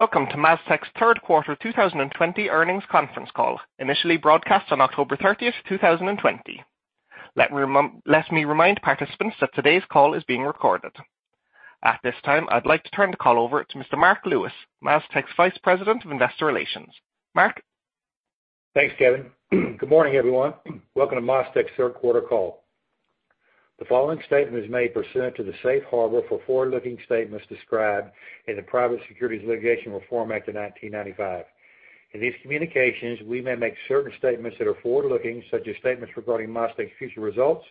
Welcome to MasTec's Q3 2020 earnings conference call, initially broadcast on October 30, 2020. Let me remind participants that today's call is being recorded. At this time, I'd like to turn the call over to Mr. Marc Lewis, MasTec's Vice President of Investor Relations. Marc? Thanks, Kevin. Good morning, everyone. Welcome to MasTec's Q3 call. The following statement is made pursuant to the safe harbor for forward-looking statements described in the Private Securities Litigation Reform Act of 1995. In these communications, we may make certain statements that are forward-looking, such as statements regarding MasTec's future results,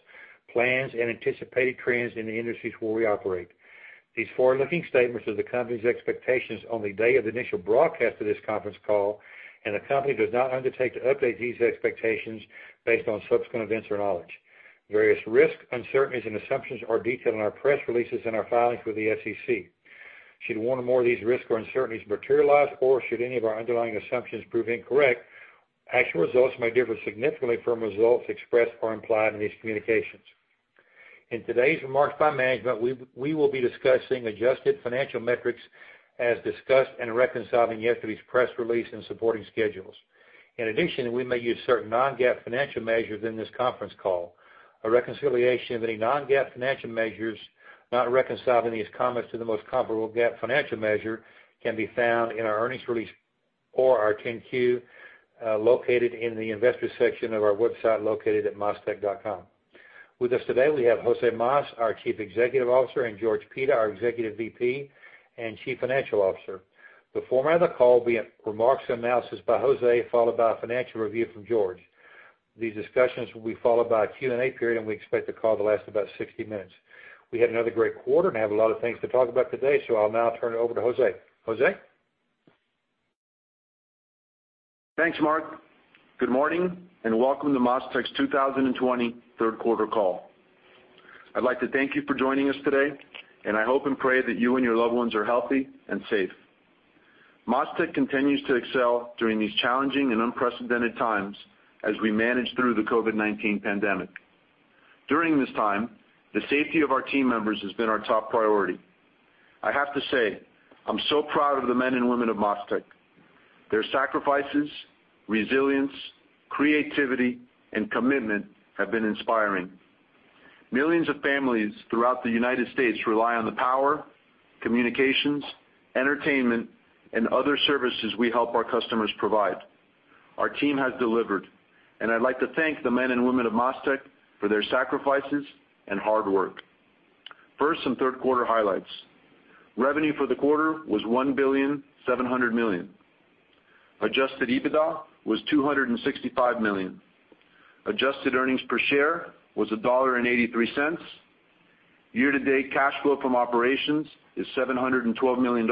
plans, and anticipated trends in the industries where we operate. These forward-looking statements are the company's expectations on the day of the initial broadcast of this conference call, and the company does not undertake to update these expectations based on subsequent events or knowledge. Various risks, uncertainties, and assumptions are detailed in our press releases and our filings with the SEC. Should one or more of these risks or uncertainties materialize, or should any of our underlying assumptions prove incorrect, actual results may differ significantly from results expressed or implied in these communications. In today's remarks by management, we will be discussing adjusted financial metrics as discussed and reconciling yesterday's press release and supporting schedules. In addition, we may use certain non-GAAP financial measures in this conference call. A reconciliation of any non-GAAP financial measures not reconciled in these comments to the most comparable GAAP financial measure can be found in our earnings release or our 10-Q, located in the Investors section of our website, located at mastec.com. With us today, we have Jose Mas, our Chief Executive Officer, and George Pita, our Executive VP and Chief Financial Officer. The format of the call will be remarks and analysis by Jose, followed by a financial review from George. These discussions will be followed by a Q&A period, and we expect the call to last about 60 minutes. We had another great quarter and have a lot of things to talk about today. I'll now turn it over to Jose. Jose? Thanks, Marc. Good morning and welcome to MasTec's 2020 Q3 call. I'd like to thank you for joining us today. I hope and pray that you and your loved ones are healthy and safe. MasTec continues to excel during these challenging and unprecedented times as we manage through the COVID-19 pandemic. During this time, the safety of our team members has been our top priority. I have to say, I'm so proud of the men and women of MasTec. Their sacrifices, resilience, creativity, and commitment have been inspiring. Millions of families throughout the United States rely on the power, communications, entertainment, and other services we help our customers provide. Our team has delivered. And I'd like to thank the men and women of MasTec for their sacrifices and hard work. First, some Q3 highlights. Revenue for the quarter was $1.7 billion. Adjusted EBITDA was $265 million. Adjusted earnings per share was $1.83. Year-to-date cash flow from operations is $712 million,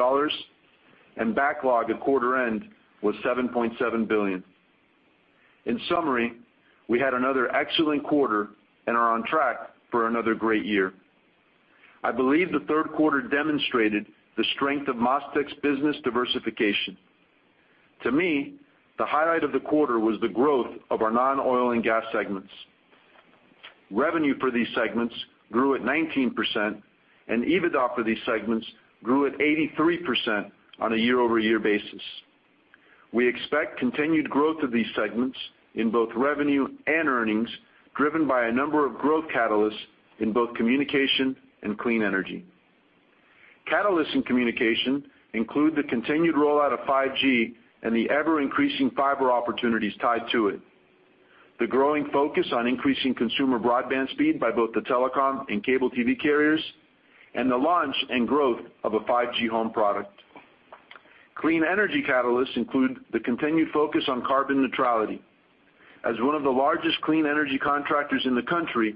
and backlog at quarter end was $7.7 billion. In summary, we had another excellent quarter and are on track for another great year. I believe the Q3 demonstrated the strength of MasTec's business diversification. To me, the highlight of the quarter was the growth of our non-oil and gas segments. Revenue for these segments grew at 19%, and EBITDA for these segments grew at 83% on a year-over-year basis. We expect continued growth of these segments in both revenue and earnings, driven by a number of growth catalysts in both communication and clean energy. Catalysts in communication include the continued rollout of 5G and the ever-increasing fiber opportunities tied to it, the growing focus on increasing consumer broadband speed by both the telecom and cable TV carriers, and the launch and growth of a 5G home product. Clean energy catalysts include the continued focus on carbon neutrality. As one of the largest clean energy contractors in the country,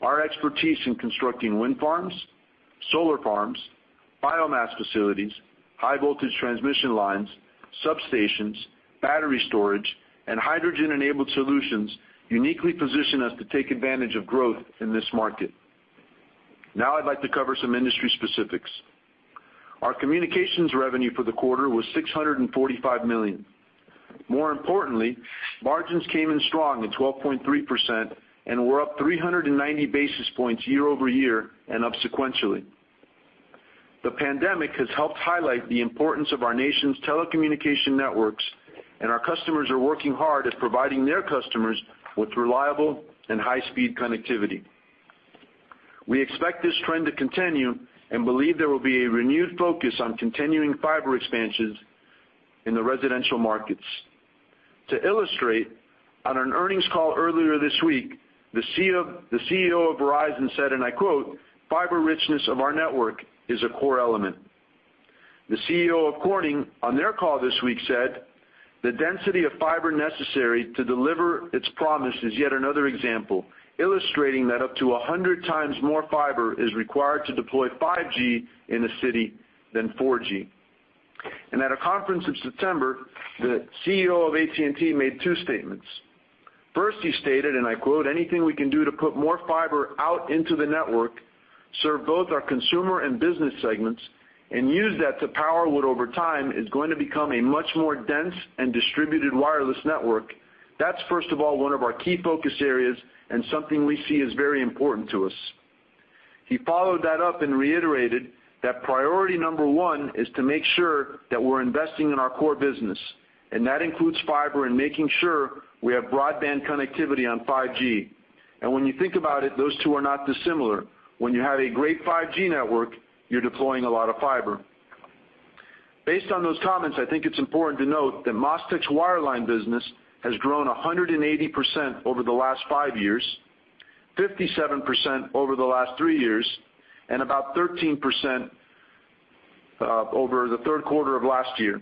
our expertise in constructing wind farms, solar farms, biomass facilities, high-voltage transmission lines, substations, battery storage, and hydrogen-enabled solutions uniquely position us to take advantage of growth in this market. Now I'd like to cover some industry specifics. Our communications revenue for the quarter was $645 million. More importantly, margins came in strong at 12.3% and were up 390 basis points year-over-year and up sequentially. The pandemic has helped highlight the importance of our nation's telecommunication networks, and our customers are working hard at providing their customers with reliable and high-speed connectivity. We expect this trend to continue and believe there will be a renewed focus on continuing fiber expansions in the residential markets. To illustrate, on an earnings call earlier this week, the CEO, the CEO of Verizon said, and I quote, "Fiber richness of our network is a core element." The CEO of Corning, on their call this week, said, "The density of fiber necessary to deliver its promise is yet another example, illustrating that up to 100 times more fiber is required to deploy 5G in a city than 4G." At a conference in September, the CEO of AT&T made two statements. First, he stated, and I quote, "Anything we can do to put more fiber out into the network, serve both our consumer and business segments, and use that to power what over time is going to become a much more dense and distributed wireless network, that's first of all, one of our key focus areas and something we see as very important to us." He followed that up and reiterated that priority number one is to make sure that we're investing in our core business, and that includes fiber and making sure we have broadband connectivity on 5G. When you think about it, those two are not dissimilar. When you have a great 5G network, you're deploying a lot of fiber. Based on those comments, I think it's important to note that MasTec's wireline business has grown 180% over the last five years, 57% over the last three years, and about 13% over the Q3 of last year.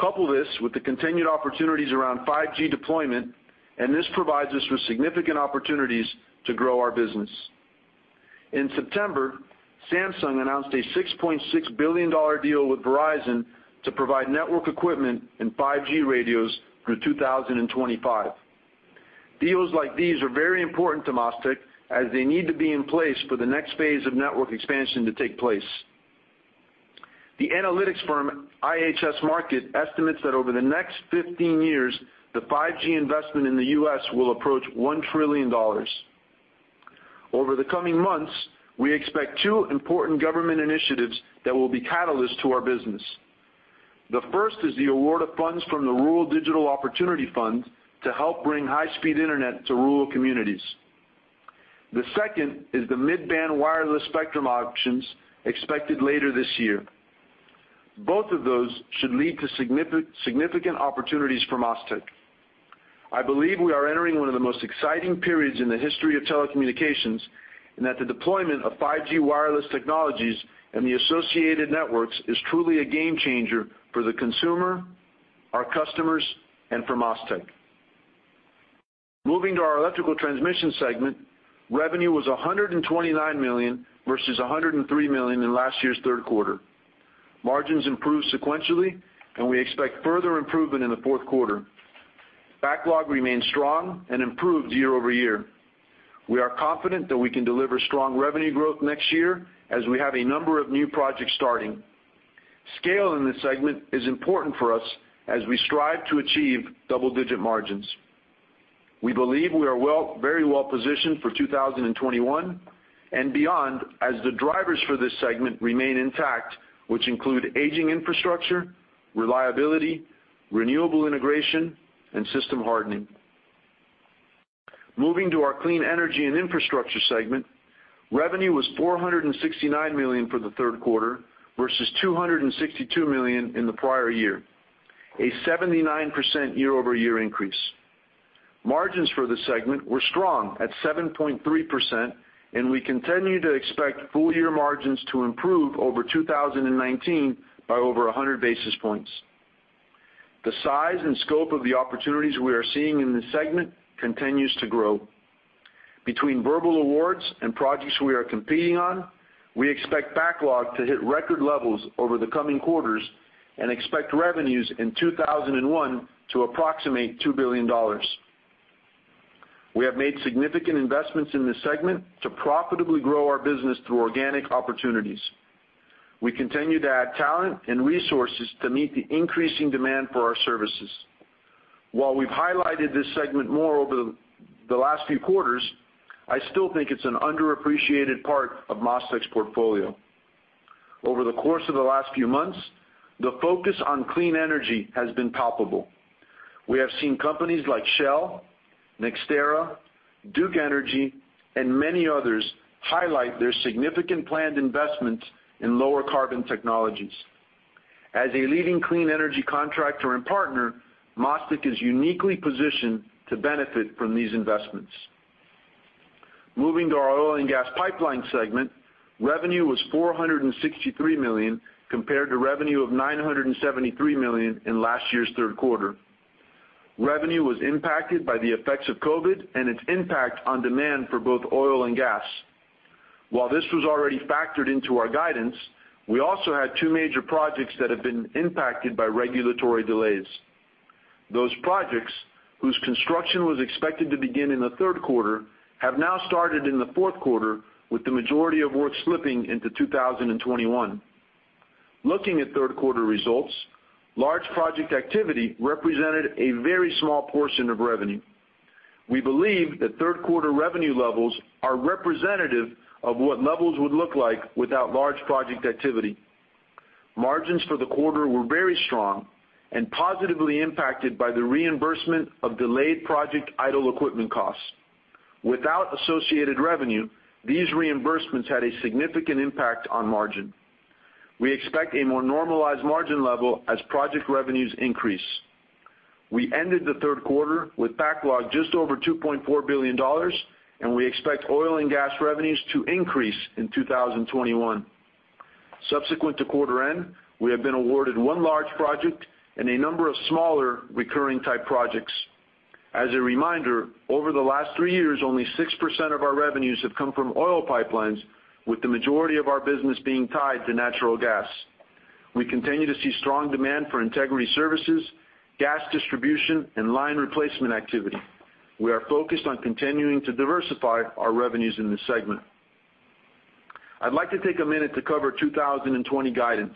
Couple this with the continued opportunities around 5G deployment, this provides us with significant opportunities to grow our business. In September, Samsung announced a $6.6 billion deal with Verizon to provide network equipment and 5G radios through 2025. Deals like these are very important to MasTec, as they need to be in place for the next phase of network expansion to take place. The analytics firm, IHS Markit, estimates that over the next 15 years, the 5G investment in the U.S. will approach $1 trillion. Over the coming months, we expect two important government initiatives that will be catalyst to our business. The first is the award of funds from the Rural Digital Opportunity Fund to help bring high-speed internet to rural communities. The second is the Mid-Band Wireless Spectrum auctions expected later this year. Both of those should lead to significant opportunities for MasTec. I believe we are entering one of the most exciting periods in the history of telecommunications, and that the deployment of 5G wireless technologies and the associated networks is truly a game changer for the consumer, our customers, and for MasTec. Moving to our Electrical Transmission segment, revenue was $129 million versus $103 million in last year's Q3. Margins improved sequentially, and we expect further improvement in the Q4. Backlog remains strong and improved year-over-year. We are confident that we can deliver strong revenue growth next year as we have a number of new projects starting. Scale in this segment is important for us as we strive to achieve double-digit margins. We believe we are very well positioned for 2021 and beyond, as the drivers for this segment remain intact, which include aging infrastructure, reliability, renewable integration, and system hardening. Moving to our Clean Energy and Infrastructure segment, revenue was $469 million for the Q3, versus $262 million in the prior year, a 79% year-over-year increase. Margins for the segment were strong at 7.3%, and we continue to expect full year margins to improve over 2019 by over 100 basis points. The size and scope of the opportunities we are seeing in this segment continues to grow. Between verbal awards and projects we are competing on, we expect backlog to hit record levels over the coming quarters and expect revenues in 2001 to approximate $2 billion. We have made significant investments in this segment to profitably grow our business through organic opportunities. We continue to add talent and resources to meet the increasing demand for our services. While we've highlighted this segment more over the last few quarters, I still think it's an underappreciated part of MasTec's portfolio. Over the course of the last few months, the focus on clean energy has been palpable. We have seen companies like Shell, NextEra, Duke Energy, and many others highlight their significant planned investments in lower carbon technologies. As a leading clean energy contractor and partner, MasTec is uniquely positioned to benefit from these investments. Moving to our Oil and Gas Pipeline segment, revenue was $463 million, compared to revenue of $973 million in last year's Q3. Revenue was impacted by the effects of COVID and its impact on demand for both oil and gas. While this was already factored into our guidance, we also had two major projects that have been impacted by regulatory delays. Those projects, whose construction was expected to begin in the Q3, have now started in the Q4, with the majority of work slipping into 2021. Looking at Q3 results, large project activity represented a very small portion of revenue. We believe that Q3 revenue levels are representative of what levels would look like without large project activity. Margins for the quarter were very strong and positively impacted by the reimbursement of delayed project idle equipment costs. Without associated revenue, these reimbursements had a significant impact on margin. We expect a more normalized margin level as project revenues increase. We ended the Q3 with backlog just over $2.4 billion. We expect oil and gas revenues to increase in 2021. Subsequent to quarter end, we have been awarded one large project and a number of smaller recurring type projects. As a reminder, over the last three years, only 6% of our revenues have come from oil pipelines, with the majority of our business being tied to natural gas. We continue to see strong demand for integrity services, gas distribution, and line replacement activity. We are focused on continuing to diversify our revenues in this segment. I'd like to take a minute to cover 2020 guidance.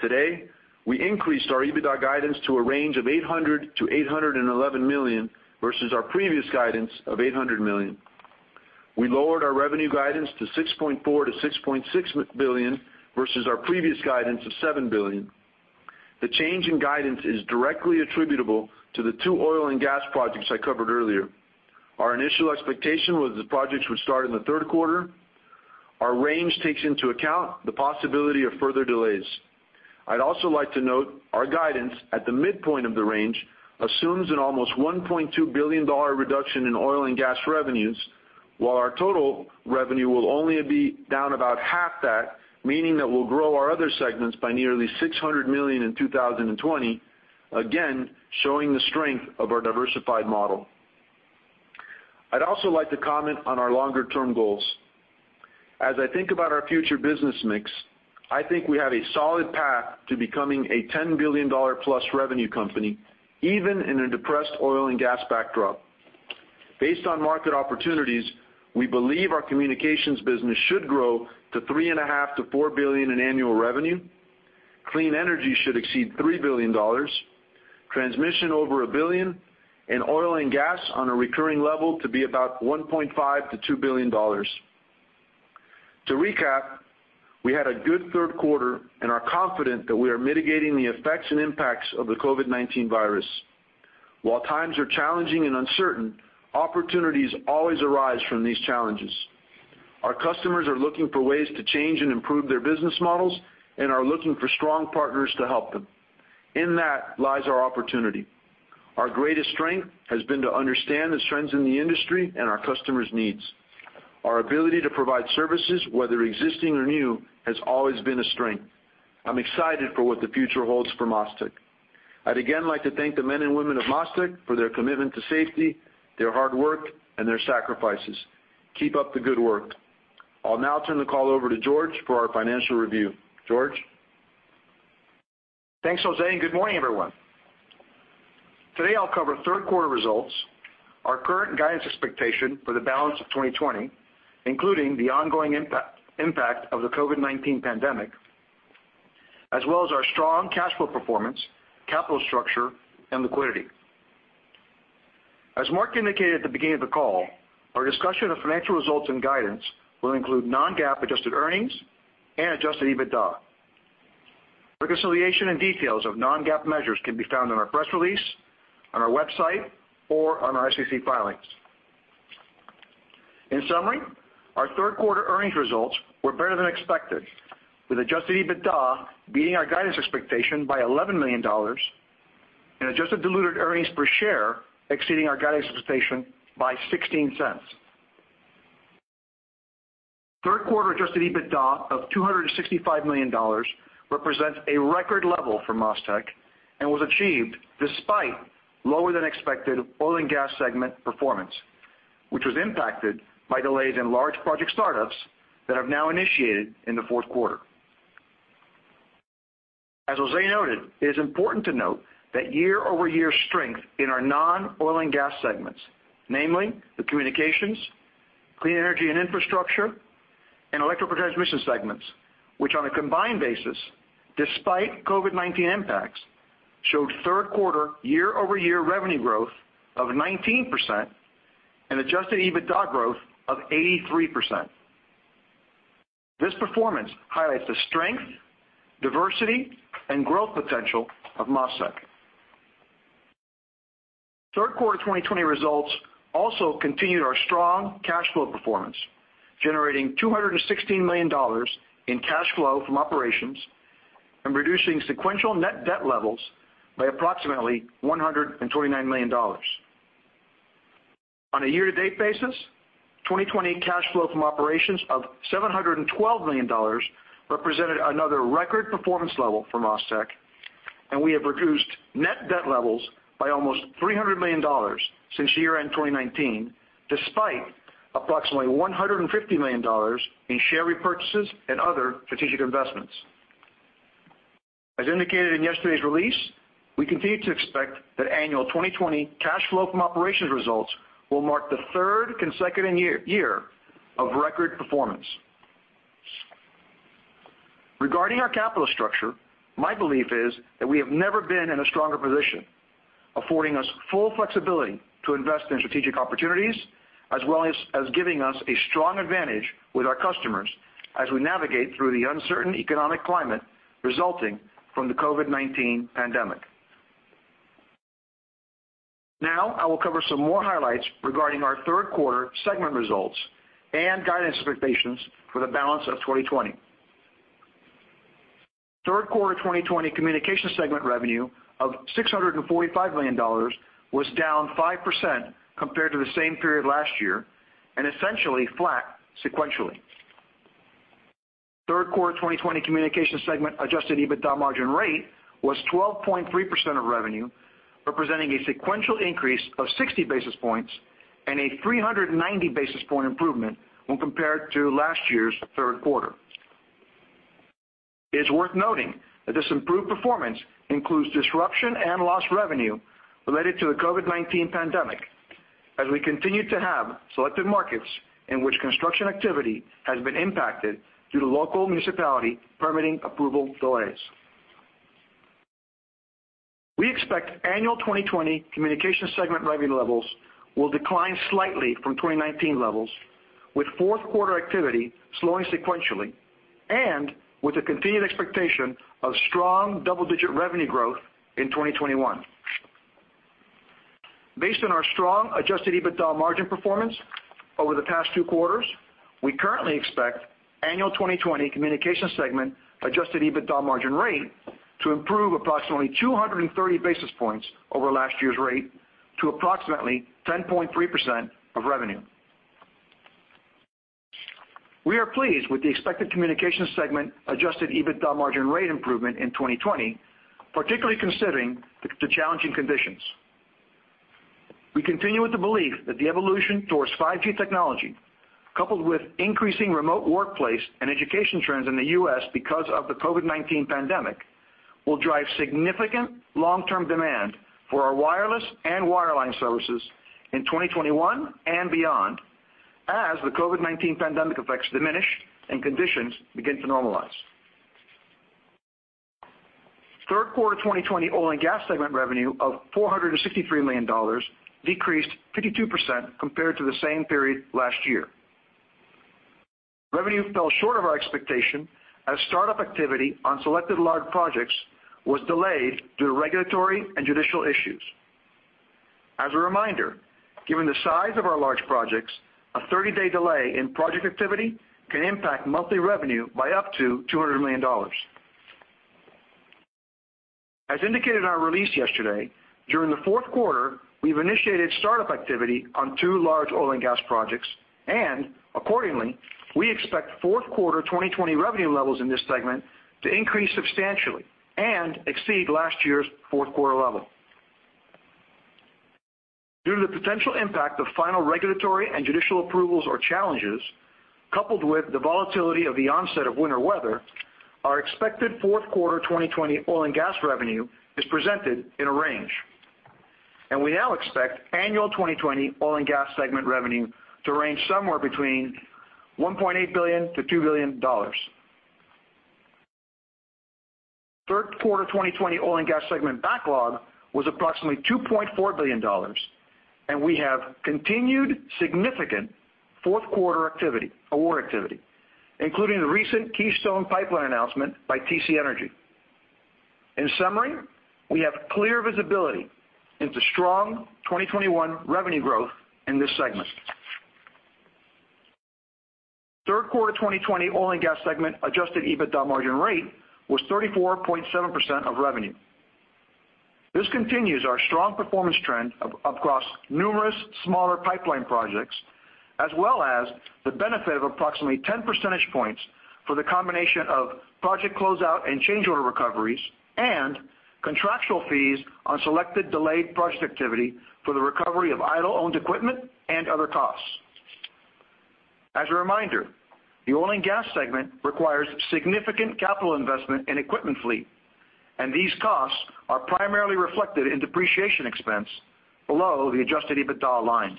Today, we increased our EBITDA guidance to a range of $800 million-$811 million, versus our previous guidance of $800 million. We lowered our revenue guidance to $6.4 billion-$6.6 billion, versus our previous guidance of $7 billion. The change in guidance is directly attributable to the two oil and gas projects I covered earlier. Our initial expectation was the projects would start in the Q3. Our range takes into account the possibility of further delays. I'd also like to note our guidance at the midpoint of the range assumes an almost $1.2 billion reduction in oil and gas revenues, while our total revenue will only be down about half that, meaning that we'll grow our other segments by nearly $600 million in 2020, again, showing the strength of our diversified model. I'd also like to comment on our longer-term goals. As I think about our future business mix, I think we have a solid path to becoming a $10 billion-plus revenue company, even in a depressed oil and gas backdrop. Based on market opportunities, we believe our communications business should grow to $3.5 billion-$4 billion in annual revenue. Clean energy should exceed $3 billion, transmission over $1 billion, and oil and gas on a recurring level to be about $1.5 billion-$2 billion. To recap, we had a good Q3 and are confident that we are mitigating the effects and impacts of the COVID-19 virus. While times are challenging and uncertain, opportunities always arise from these challenges. Our customers are looking for ways to change and improve their business models and are looking for strong partners to help them. In that lies our opportunity. Our greatest strength has been to understand the trends in the industry and our customers' needs. Our ability to provide services, whether existing or new, has always been a strength. I'm excited for what the future holds for MasTec. I'd again like to thank the men and women of MasTec for their commitment to safety, their hard work, and their sacrifices. Keep up the good work. I'll now turn the call over to George for our financial review. George? Thanks, Jose, and good morning, everyone. Today, I'll cover Q3 results, our current guidance expectation for the balance of 2020, including the ongoing impact of the COVID-19 pandemic, as well as our strong cash flow performance, capital structure, and liquidity. As Mark indicated at the beginning of the call, our discussion of financial results and guidance will include non-GAAP adjusted earnings and adjusted EBITDA. Reconciliation and details of non-GAAP measures can be found on our press release, on our website, or on our SEC filings. In summary, our Q3 earnings results were better than expected, with adjusted EBITDA beating our guidance expectation by $11 million and adjusted diluted earnings per share exceeding our guidance expectation by $0.16. Q3 adjusted EBITDA of $265 million represents a record level for MasTec and was achieved despite lower-than-expected oil and gas segment performance, which was impacted by delays in large project startups that have now initiated in the Q4. As Jose noted, it is important to note that year-over-year strength in our non-oil and gas segments, namely the communications, clean energy and infrastructure, and electric transmission segments, which on a combined basis, despite COVID-19 impacts, showed Q3 year-over-year revenue growth of 19% and adjusted EBITDA growth of 83%. This performance highlights the strength, diversity, and growth potential of MasTec. Q3 2020 results also continued our strong cash flow performance, generating $216 million in cash flow from operations and reducing sequential net debt levels by approximately $129 million. On a year-to-date basis, 2020 cash flow from operations of $712 million represented another record performance level for MasTec, and we have reduced net debt levels by almost $300 million since year-end 2019, despite approximately $150 million in share repurchases and other strategic investments. As indicated in yesterday's release, we continue to expect that annual 2020 cash flow from operations results will mark the third consecutive year of record performance. Regarding our capital structure, my belief is that we have never been in a stronger position, affording us full flexibility to invest in strategic opportunities as well as giving us a strong advantage with our customers as we navigate through the uncertain economic climate resulting from the COVID-19 pandemic. Now, I will cover some more highlights regarding our Q3 segment results and guidance expectations for the balance of 2020. Q3 2020 communication segment revenue of $645 million was down 5% compared to the same period last year and essentially flat sequentially. Q3 2020 communication segment adjusted EBITDA margin rate was 12.3% of revenue, representing a sequential increase of 60 basis points and a 390 basis point improvement when compared to last year's Q3. It's worth noting that this improved performance includes disruption and lost revenue related to the COVID-19 pandemic, as we continue to have selected markets in which construction activity has been impacted due to local municipality permitting approval delays. We expect annual 2020 Communications segment revenue levels will decline slightly from 2019 levels, with Q4 activity slowing sequentially and with a continued expectation of strong double-digit revenue growth in 2021. Based on our strong adjusted EBITDA margin performance over the past two quarters, we currently expect annual 2020 Communications segment adjusted EBITDA margin rate to improve approximately 230 basis points over last year's rate to approximately 10.3% of revenue. We are pleased with the expected Communications segment adjusted EBITDA margin rate improvement in 2020, particularly considering the challenging conditions. We continue with the belief that the evolution towards 5G technology, coupled with increasing remote workplace and education trends in the U.S. because of the COVID-19 pandemic, will drive significant long-term demand for our wireless and wireline services in 2021 and beyond, as the COVID-19 pandemic effects diminish and conditions begin to normalize. Q3 2020 Oil and Gas segment revenue of $463 million decreased 52% compared to the same period last year. Revenue fell short of our expectation as startup activity on selected large projects was delayed due to regulatory and judicial issues. As a reminder, given the size of our large projects, a 30-day delay in project activity can impact monthly revenue by up to $200 million. As indicated in our release yesterday, during the Q4, we've initiated startup activity on two large Oil and Gas projects. And accordingly, we expect Q4 2020 revenue levels in this segment to increase substantially and exceed last year's Q4 level. Due to the potential impact of final regulatory and judicial approvals or challenges, coupled with the volatility of the onset of winter weather, our expected Q4 2020 Oil and Gas revenue is presented in a range. And we now expect annual 2020 Oil and Gas segment revenue to range somewhere between $1.8 billion-$2 billion. Q3 2020 Oil and Gas segment backlog was approximately $2.4 billion, and we have continued significant Q4 activity, award activity, including the recent Keystone Pipeline announcement by TC Energy. In summary, we have clear visibility into strong 2021 revenue growth in this segment. Q3 2020 Oil and Gas segment adjusted EBITDA margin rate was 34.7% of revenue. This continues our strong performance trend across numerous smaller pipeline projects, as well as the benefit of approximately 10 percentage points for the combination of project closeout and change order recoveries and contractual fees on selected delayed project activity for the recovery of idle-owned equipment and other costs. As a reminder, the Oil and Gas segment requires significant capital investment in equipment fleet, and these costs are primarily reflected in depreciation expense below the adjusted EBITDA line.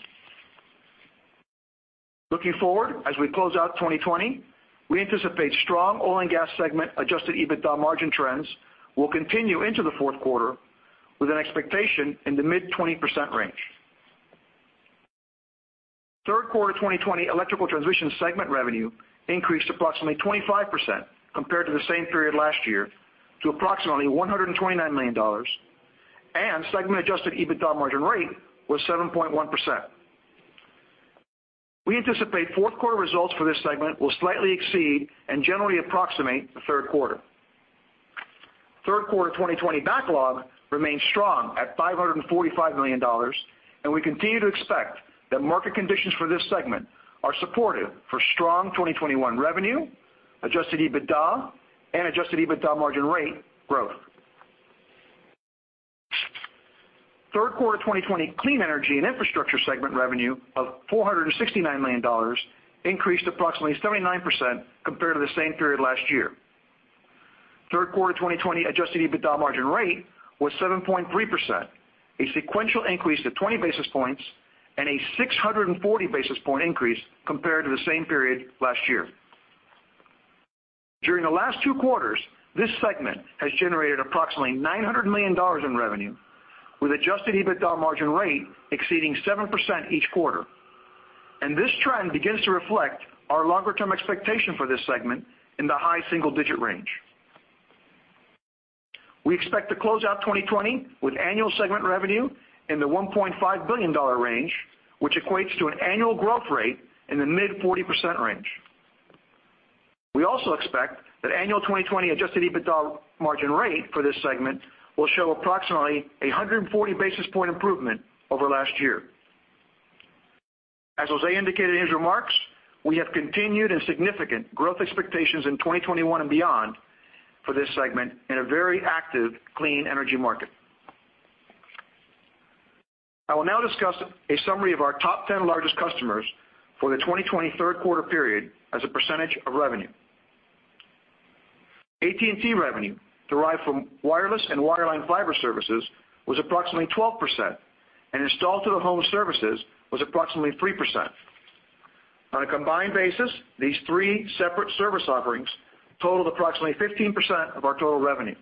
Looking forward, as we close out 2020, we anticipate strong Oil and Gas segment adjusted EBITDA margin trends will continue into the Q4 with an expectation in the mid-20% range. Q3 2020 Electrical Transmission segment revenue increased approximately 25% compared to the same period last year to approximately $129 million, and segment adjusted EBITDA margin rate was 7.1%. We anticipate Q4 results for this segment will slightly exceed and generally approximate the Q3. Q3 2020 backlog remains strong at $545 million, and we continue to expect that market conditions for this segment are supportive for strong 2021 revenue, adjusted EBITDA, and adjusted EBITDA margin rate growth. Q3 2020 Clean Energy and Infrastructure segment revenue of $469 million increased approximately 79% compared to the same period last year. Q3 2020 adjusted EBITDA margin rate was 7.3%, a sequential increase to 20 basis points and a 640 basis point increase compared to the same period last year. During the last two quarters, this segment has generated approximately $900 million in revenue, with adjusted EBITDA margin rate exceeding 7% each quarter. This trend begins to reflect our longer-term expectation for this segment in the high single-digit range. We expect to close out 2020 with annual segment revenue in the $1.5 billion range, which equates to an annual growth rate in the mid-40% range. We also expect that annual 2020 adjusted EBITDA margin rate for this segment will show approximately 140 basis point improvement over last year. As José indicated in his remarks, we have continued and significant growth expectations in 2021 and beyond for this segment in a very active clean energy market. I will now discuss a summary of our top 10 largest customers for the 2020 Q3 period as a % of revenue. AT&T revenue, derived from wireless and wireline fiber services, was approximately 12%, and installed to the home services was approximately 3%. On a combined basis, these three separate service offerings totaled approximately 15% of our total revenue.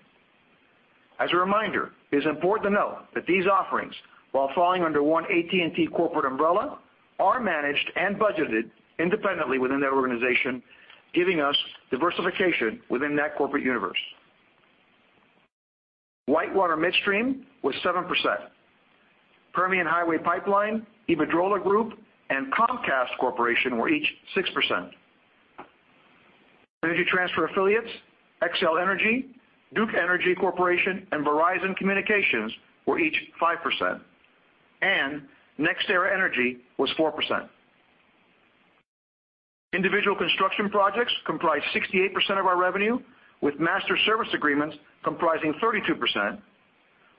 As a reminder, it is important to note that these offerings, while falling under one AT&T corporate umbrella, are managed and budgeted independently within their organization, giving us diversification within that corporate universe. WhiteWater Midstream was 7%. Permian Highway Pipeline, Iberdrola Group, and Comcast Corporation were each 6%. Energy Transfer affiliates, Xcel Energy, Duke Energy Corporation, and Verizon Communications were each 5%. NextEra Energy was 4%. Individual construction projects comprised 68% of our revenue, with master service agreements comprising 32%,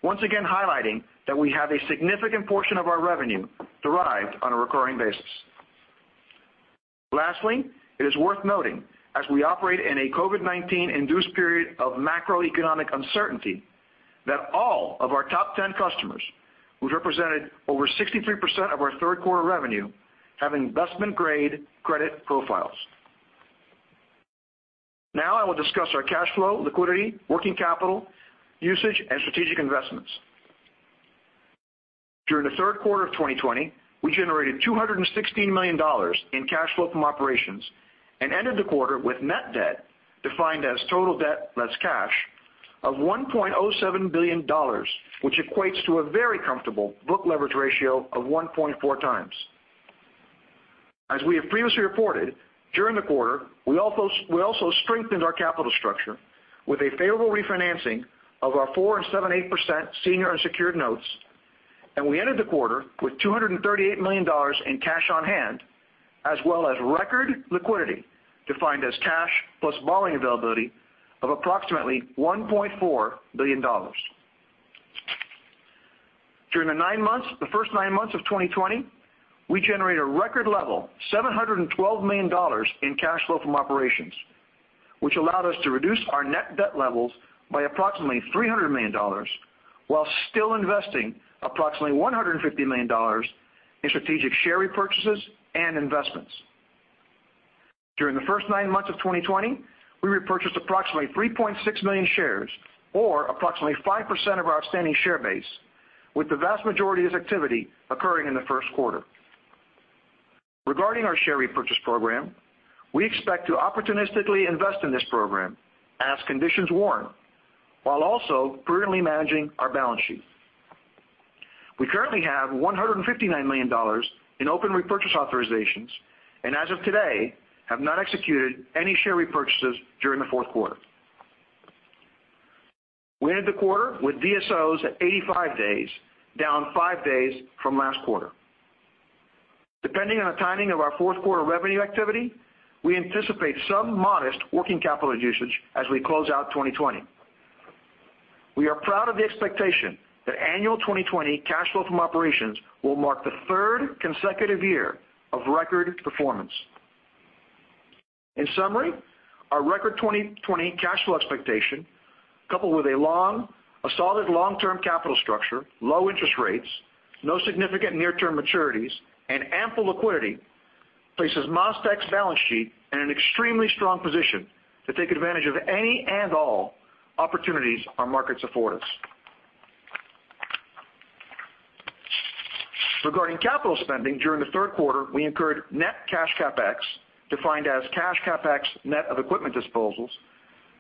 once again highlighting that we have a significant portion of our revenue derived on a recurring basis. Lastly, it is worth noting, as we operate in a COVID-19 induced period of macroeconomic uncertainty, that all of our top 10 customers, who represented over 63% of our Q3 revenue, have investment-grade credit profiles. Now, I will discuss our cash flow, liquidity, working capital usage, and strategic investments. During the Q3 of 2020, we generated $216 million in cash flow from operations and ended the quarter with net debt, defined as total debt, less cash, of $1.07 billion, which equates to a very comfortable book leverage ratio of 1.4x. As we have previously reported, during the quarter, we also strengthened our capital structure with a favorable refinancing of our four and 7/8% senior unsecured notes, and we ended the quarter with $238 million in cash on hand, as well as record liquidity, defined as cash plus borrowing availability of approximately $1.4 billion. During the nine months, the first nine months of 2020, we generated a record level, $712 million in cash flow from operations, which allowed us to reduce our net debt levels by approximately $300 million, while still investing approximately $150 million in strategic share repurchases and investments. During the first nine months of 2020, we repurchased approximately 3.6 million shares, or approximately 5% of our outstanding share base, with the vast majority of this activity occurring in the Q1. Regarding our share repurchase program, we expect to opportunistically invest in this program as conditions warrant, while also prudently managing our balance sheet. We currently have $159 million in open repurchase authorizations and, as of today, have not executed any share repurchases during the Q4. We ended the quarter with DSOs at 85 days, down five days from last quarter. Depending on the timing of our Q4 revenue activity, we anticipate some modest working capital usage as we close out 2020. We are proud of the expectation that annual 2020 cash flow from operations will mark the third consecutive year of record performance. In summary, our record 2020 cash flow expectation, coupled with a solid long-term capital structure, low interest rates, no significant near-term maturities, and ample liquidity, places MasTec's balance sheet in an extremely strong position to take advantage of any and all opportunities our markets afford us. Regarding capital spending, during the Q3, we incurred net cash CapEx, defined as cash CapEx net of equipment disposals,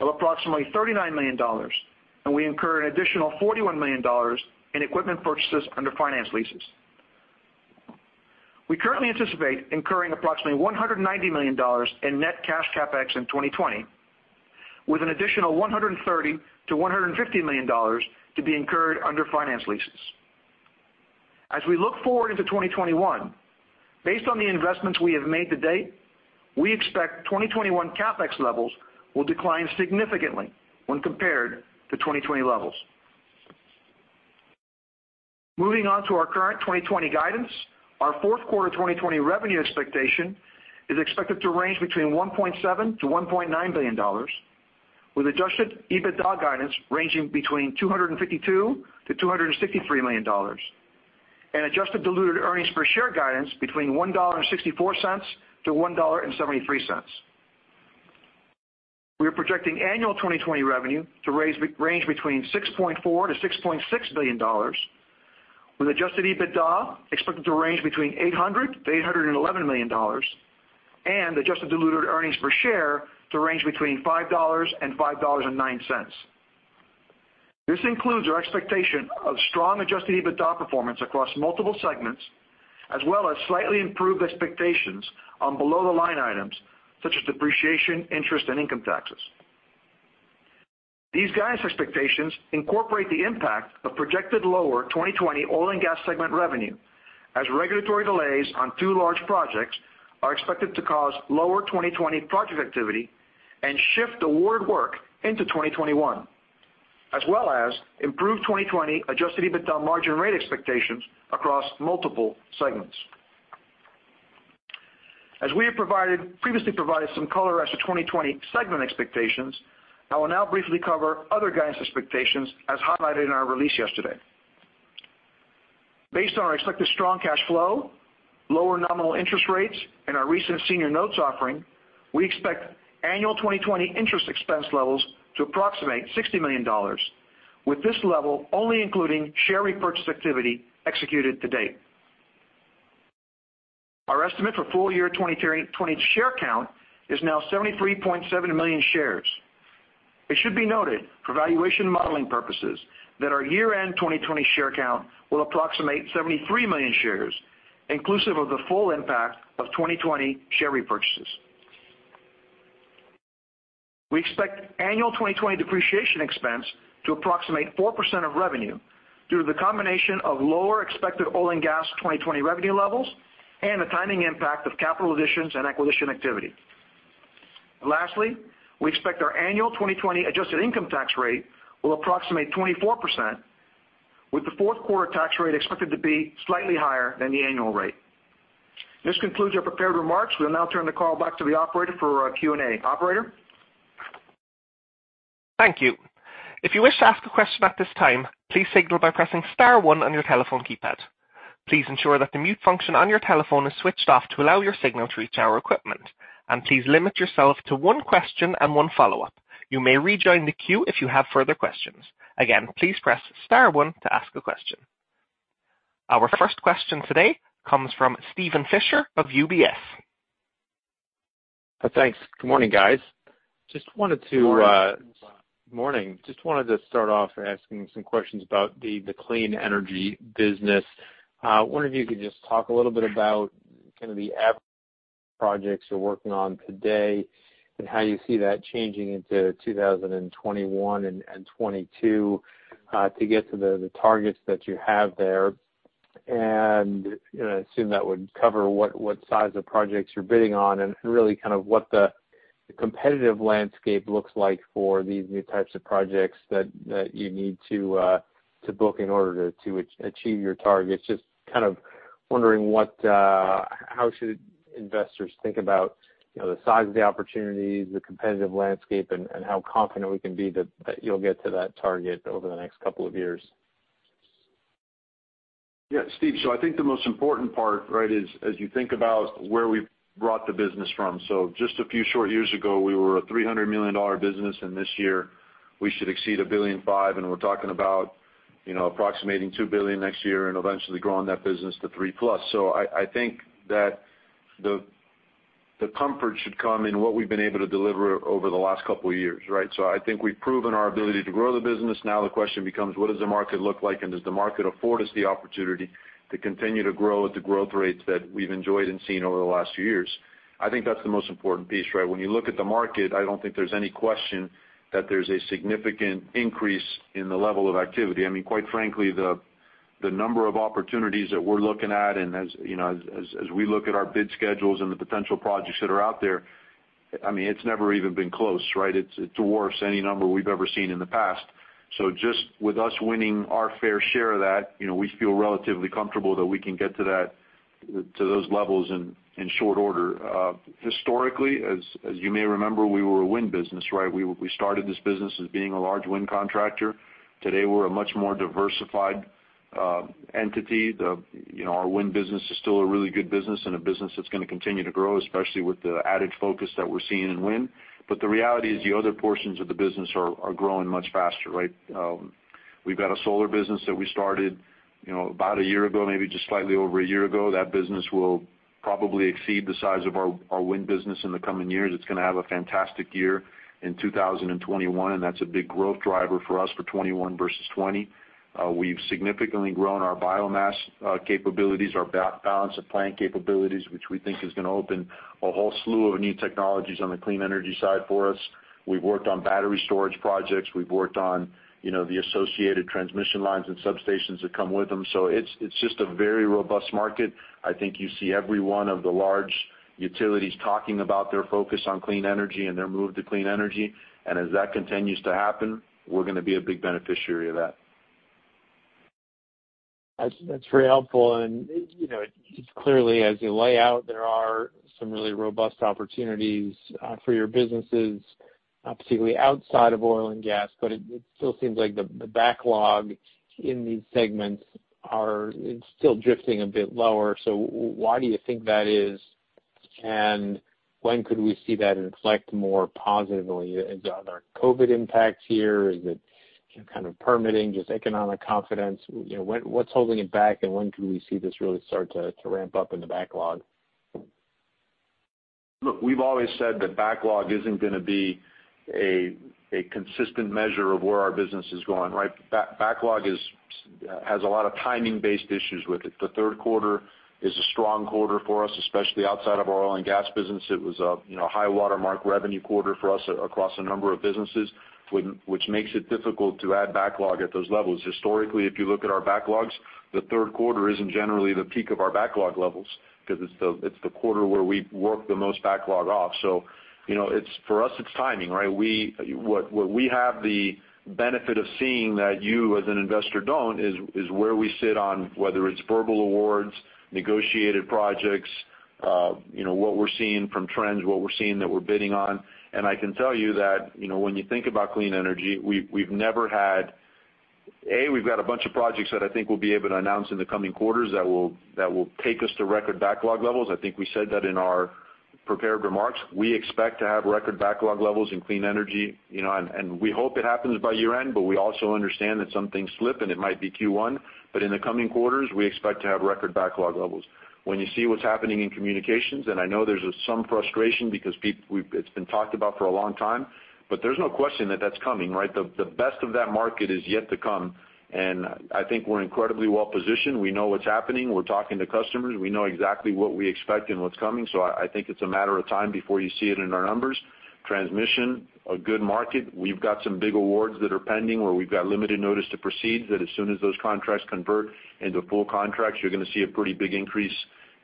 of approximately $39 million, and we incurred an additional $41 million in equipment purchases under finance leases. We currently anticipate incurring approximately $190 million in net cash CapEx in 2020, with an additional $130 million-$150 million to be incurred under finance leases. We look forward into 2021, based on the investments we have made to date, we expect 2021 CapEx levels will decline significantly when compared to 2020 levels. Moving on to our current 2020 guidance, our Q4 2020 revenue expectation is expected to range between $1.7 billion-$1.9 billion, with adjusted EBITDA guidance ranging between $252 million-$253 million, and adjusted diluted earnings per share guidance between $1.64-$1.73. We are projecting annual 2020 revenue to range between $6.4 billion-$6.6 billion, with adjusted EBITDA expected to range between $800 million-$811 million, and adjusted diluted earnings per share to range between $5.00 and $5.09. This includes our expectation of strong adjusted EBITDA performance across multiple segments, as well as slightly improved expectations on below-the-line items such as depreciation, interest, and income taxes. These guidance expectations incorporate the impact of projected lower 2020 oil and gas segment revenue as regulatory delays on two large projects are expected to cause lower 2020 project activity and shift award work into 2021, as well as improve 2020 adjusted EBITDA margin rate expectations across multiple segments. As we have previously provided some color as to 2020 segment expectations, I will now briefly cover other guidance expectations as highlighted in our release yesterday. Based on our expected strong cash flow, lower nominal interest rates, and our recent senior notes offering, we expect annual 2020 interest expense levels to approximate $60 million, with this level only including share repurchase activity executed to date. Our estimate for full year 20 share count is now 73.7 million shares. It should be noted, for valuation modeling purposes, that our year-end 2020 share count will approximate 73 million shares, inclusive of the full impact of 2020 share repurchases. We expect annual 2020 depreciation expense to approximate 4% of revenue due to the combination of lower expected oil and gas 2020 revenue levels and the timing impact of capital additions and acquisition activity. Lastly, we expect our annual 2020 adjusted income tax rate will approximate 24%, with the Q4 tax rate expected to be slightly higher than the annual rate. This concludes our prepared remarks. We'll now turn the call back to the operator for our Q&A. Operator? Thank you. If you wish to ask a question at this time, please signal by pressing star one on your telephone keypad. Please ensure that the mute function on your telephone is switched off to allow your signal to reach our equipment, and please limit yourself to one question and one follow-up. You may rejoin the queue if you have further questions. Again, please press star one to ask a question. Our first question today comes from Steven Fisher of UBS. Thanks. Good morning, guys. Just wanted to. Morning. Morning. Just wanted to start off asking some questions about the clean energy business. I wonder if you could just talk a little bit about kind of the average projects you're working on today, and how you see that changing into 2021 and 2022 to get to the targets that you have there. you know, and I assume that would cover what size of projects you're bidding on and really kind of what the competitive landscape looks like for these new types of projects that you need to book in order to achieve your targets. Just kind of wondering what how should investors think about, you know, the size of the opportunities, the competitive landscape, and how confident we can be that you'll get to that target over the next couple of years? Yeah, Steve. So, I think the most important part, right, is as you think about where we've brought the business from. So, just a few short years ago, we were a $300 million business, and this year, we should exceed $1.5 billion, and we're talking about, you know, approximating $2 billion next year and eventually growing that business to $3 billion+. So I think that the comfort should come in what we've been able to deliver over the last couple of years, right? So I think we've proven our ability to grow the business. Now the question becomes, what does the market look like, and does the market afford us the opportunity to continue to grow at the growth rates that we've enjoyed and seen over the last few years? I think that's the most important piece, right? When you look at the market, I don't think there's any question that there's a significant increase in the level of activity. I mean, quite frankly, the number of opportunities that we're looking at, and as, you know, as we look at our bid schedules and the potential projects that are out there, I mean, it's never even been close, right? It dwarfs any number we've ever seen in the past. So just with us winning our fair share of that, you know, we feel relatively comfortable that we can get to those levels in short order. Historically, as you may remember, we were a wind business, right? We started this business as being a large wind contractor. Today, we're a much more diversified entity. You know, our wind business is still a really good business and a business that's gonna continue to grow, especially with the added focus that we're seeing in wind. But the reality is the other portions of the business are growing much faster, right? We've got a solar business that we started, you know, about a year ago, maybe just slightly over a year ago. That business will probably exceed the size of our wind business in the coming years. It's gonna have a fantastic year in 2021, and that's a big growth driver for us for 2021 versus 2020. We've significantly grown our biomass capabilities, our balance of plant capabilities, which we think is gonna open a whole slew of new technologies on the clean energy side for us. We've worked on battery storage projects. We've worked on, you know, the associated transmission lines and substations that come with them. So it's just a very robust market. I think you see every one of the large utilities talking about their focus on clean energy and their move to clean energy, and as that continues to happen, we're gonna be a big beneficiary of that. That's, that's very helpful. And you know, it's clearly, as you lay out, there are some really robust opportunities for your businesses, particularly outside of oil and gas, but it still seems like the backlog in these segments are still drifting a bit lower. So why do you think that is, and when could we see that inflect more positively? Are there COVID-19 impacts here? Is it kind of permitting, just economic confidence? You know, what's holding it back, and when can we see this really start to ramp up in the backlog? Look, we've always said that backlog isn't gonna be a consistent measure of where our business is going, right? Backlog has a lot of timing-based issues with it. The Q3 is a strong quarter for us, especially outside of our oil and gas business. It was a, you know, high watermark revenue quarter for us across a number of businesses, which makes it difficult to add backlog at those levels. Historically, if you look at our backlogs, the Q3 isn't generally the peak of our backlog levels, because it's the quarter where we work the most backlog off. So, you know, for us, it's timing, right? We, what we have the benefit of seeing that you, as an investor, don't, is where we sit on whether it's verbal awards, negotiated projects, you know, what we're seeing from trends, what we're seeing that we're bidding on. And I can tell you that, you know, when you think about clean energy, we've never had. We've got a bunch of projects that I think we'll be able to announce in the coming quarters that will take us to record backlog levels. I think we said that in our prepared remarks. We expect to have record backlog levels in clean energy, you know, and we hope it happens by year-end, but we also understand that some things slip, and it might be Q1. In the coming quarters, we expect to have record backlog levels. When you see what's happening in communications, and I know there's some frustration because it's been talked about for a long time, but there's no question that that's coming, right? The best of that market is yet to come, and I think we're incredibly well positioned. We know what's happening. We're talking to customers. We know exactly what we expect and what's coming, so I think it's a matter of time before you see it in our numbers. Transmission, a good market. We've got some big awards that are pending, where we've got limited notice to proceed, that as soon as those contracts convert into full contracts, you're gonna see a pretty big increase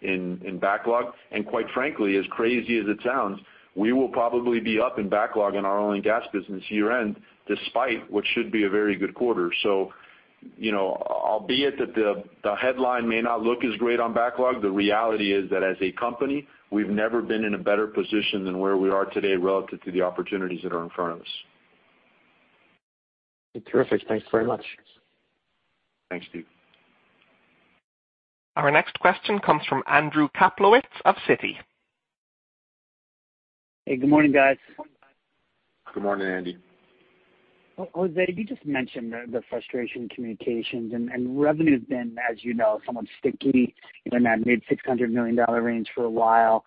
in backlog. And quite frankly, as crazy as it sounds, we will probably be up in backlog in our oil and gas business year-end, despite what should be a very good quarter. So, you know, albeit that the headline may not look as great on backlog, the reality is that as a company, we've never been in a better position than where we are today relative to the opportunities that are in front of us. Terrific. Thanks very much. Thanks, Steve. Our next question comes from Andrew Kaplowitz of Citi. Hey, good morning, guys. Good morning, Andy. Well, Jose, you just mentioned the frustration in communications and revenue has been, as you know, somewhat sticky in that mid-$600 million range for a while,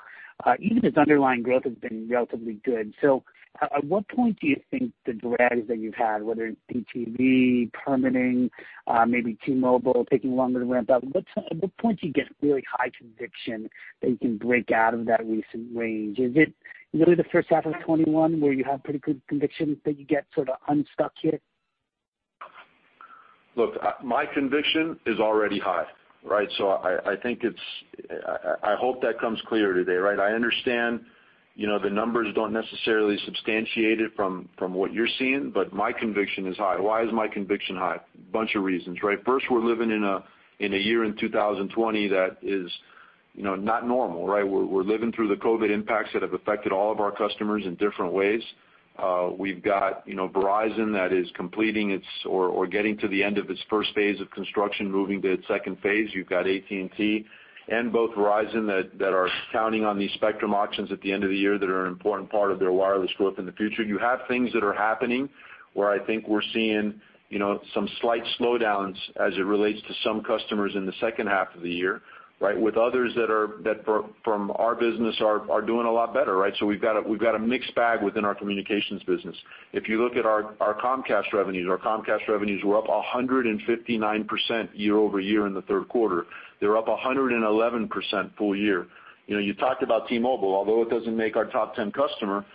even as underlying growth has been relatively good. So, at what point do you think the drags that you've had, whether it's DTV, permitting, maybe T-Mobile taking longer to ramp up, at what point do you get really high conviction that you can break out of that recent range? Is it really the first half of 2021, where you have pretty good conviction that you get sort of unstuck here? Look, my conviction is already high, right? I think it's, I hope that comes clear today, right? I understand, you know, the numbers don't necessarily substantiate it from what you're seeing, but my conviction is high. Why is my conviction high? Bunch of reasons, right? First, we're living in a, in a year in 2020 that is, you know, not normal, right? We're living through the COVID impacts that have affected all of our customers in different ways. We've got, you know, Verizon that is completing its or getting to the end of its first phase of construction, moving to its second phase. You've got AT&T and both Verizon that are counting on these spectrum auctions at the end of the year that are an important part of their wireless growth in the future. You have things that are happening where I think we're seeing, you know, some slight slowdowns as it relates to some customers in the second half of the year, right? With others that from our business are doing a lot better, right? So we've got a mixed bag within our communications business. If you look at our Comcast revenues, our Comcast revenues were up 159% year-over-year in the Q3. They're up 111% full year. You know, you talked about T-Mobile, although it doesn't make our top 10 customer,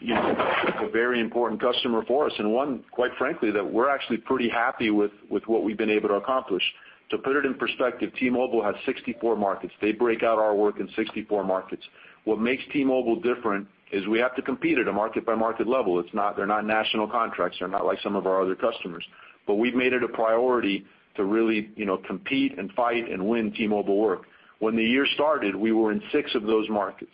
you know, it's a very important customer for us, and one, quite frankly, that we're actually pretty happy with what we've been able to accomplish. To put it in perspective, T-Mobile has 64 markets. They break out our work in 64 markets. What makes T-Mobile different is we have to compete at a market-by-market level. They're not national contracts. They're not like some of our other customers. We've made it a priority to really, you know, compete and fight and win T-Mobile work. When the year started, we were in six of those markets.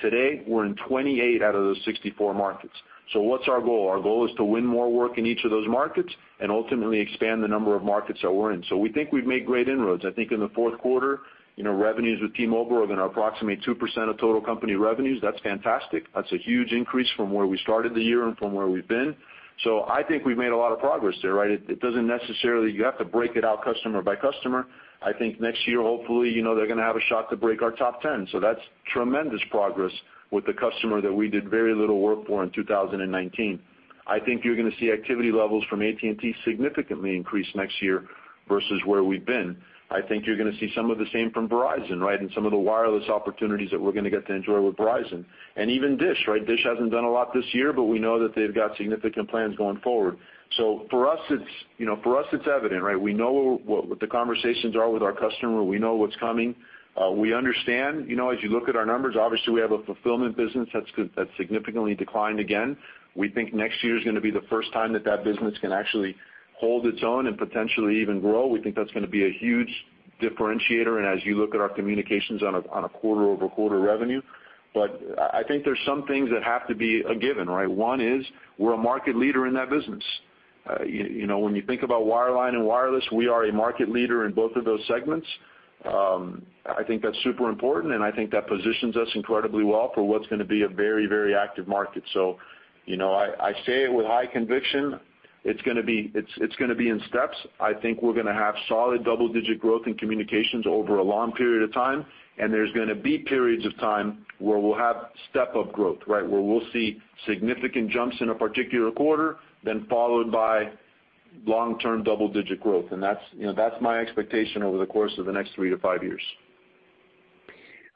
Today, we're in 28 out of those 64 markets. So what's our goal? Our goal is to win more work in each of those markets and ultimately expand the number of markets that we're in. So we think we've made great inroads. I think in the Q4, you know, revenues with T-Mobile are gonna approximately 2% of total company revenues. That's fantastic. That's a huge increase from where we started the year and from where we've been. So I think we've made a lot of progress there, right? It doesn't necessarily... You have to break it out customer by customer. I think next year, hopefully, you know, they're going to have a shot to break our top 10. So that's tremendous progress with a customer that we did very little work for in 2019. I think you're going to see activity levels from AT&T significantly increase next year versus where we've been. I think you're going to see some of the same from Verizon, right, and some of the wireless opportunities that we're going to get to enjoy with Verizon. And even Dish, right? Dish hasn't done a lot this year, but we know that they've got significant plans going forward. For us, it's, you know, for us, it's evident, right? We know what the conversations are with our customer. We know what's coming. We understand, you know, as you look at our numbers, obviously, we have a fulfillment business that's significantly declined again. We think next year is gonna be the first time that that business can actually hold its own and potentially even grow. We think that's gonna be a huge differentiator, and as you look at our communications on a quarter-over-quarter revenue. But I think there's some things that have to be a given, right? One is, we're a market leader in that business. You know, when you think about wireline and wireless, we are a market leader in both of those segments. I think that's super important, and I think that positions us incredibly well for what's gonna be a very, very active market. So, you know, I say it with high conviction. It's gonna be in steps. I think we're gonna have solid double-digit growth in communications over a long period of time. And there's gonna be periods of time where we'll have step-up growth, right? Where we'll see significant jumps in a particular quarter, then followed by long-term double-digit growth. That's, you know, that's my expectation over the course of the next three to five years.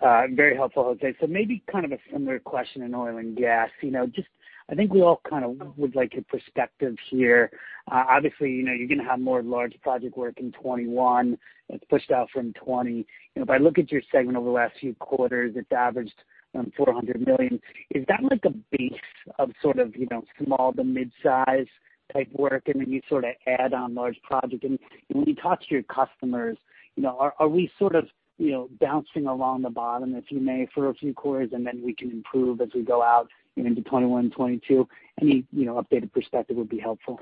Alright, very helpful, Jose. So maybe kind of a similar question in oil and gas. You know, just I think we all kind of would like your perspective here. Obviously, you know, you're gonna have more large project work in 2021. It's pushed out from 2020. You know, if I look at your segment over the last few quarters, it's averaged around $400 million. Is that like a base of sort of, you know, small to mid-size type work, and then you sort of add on large project? When you talk to your customers, you know, are we sort of, you know, bouncing along the bottom, if you may, for a few quarters, and then we can improve as we go out into 2021 and 2022? Any, you know, updated perspective would be helpful.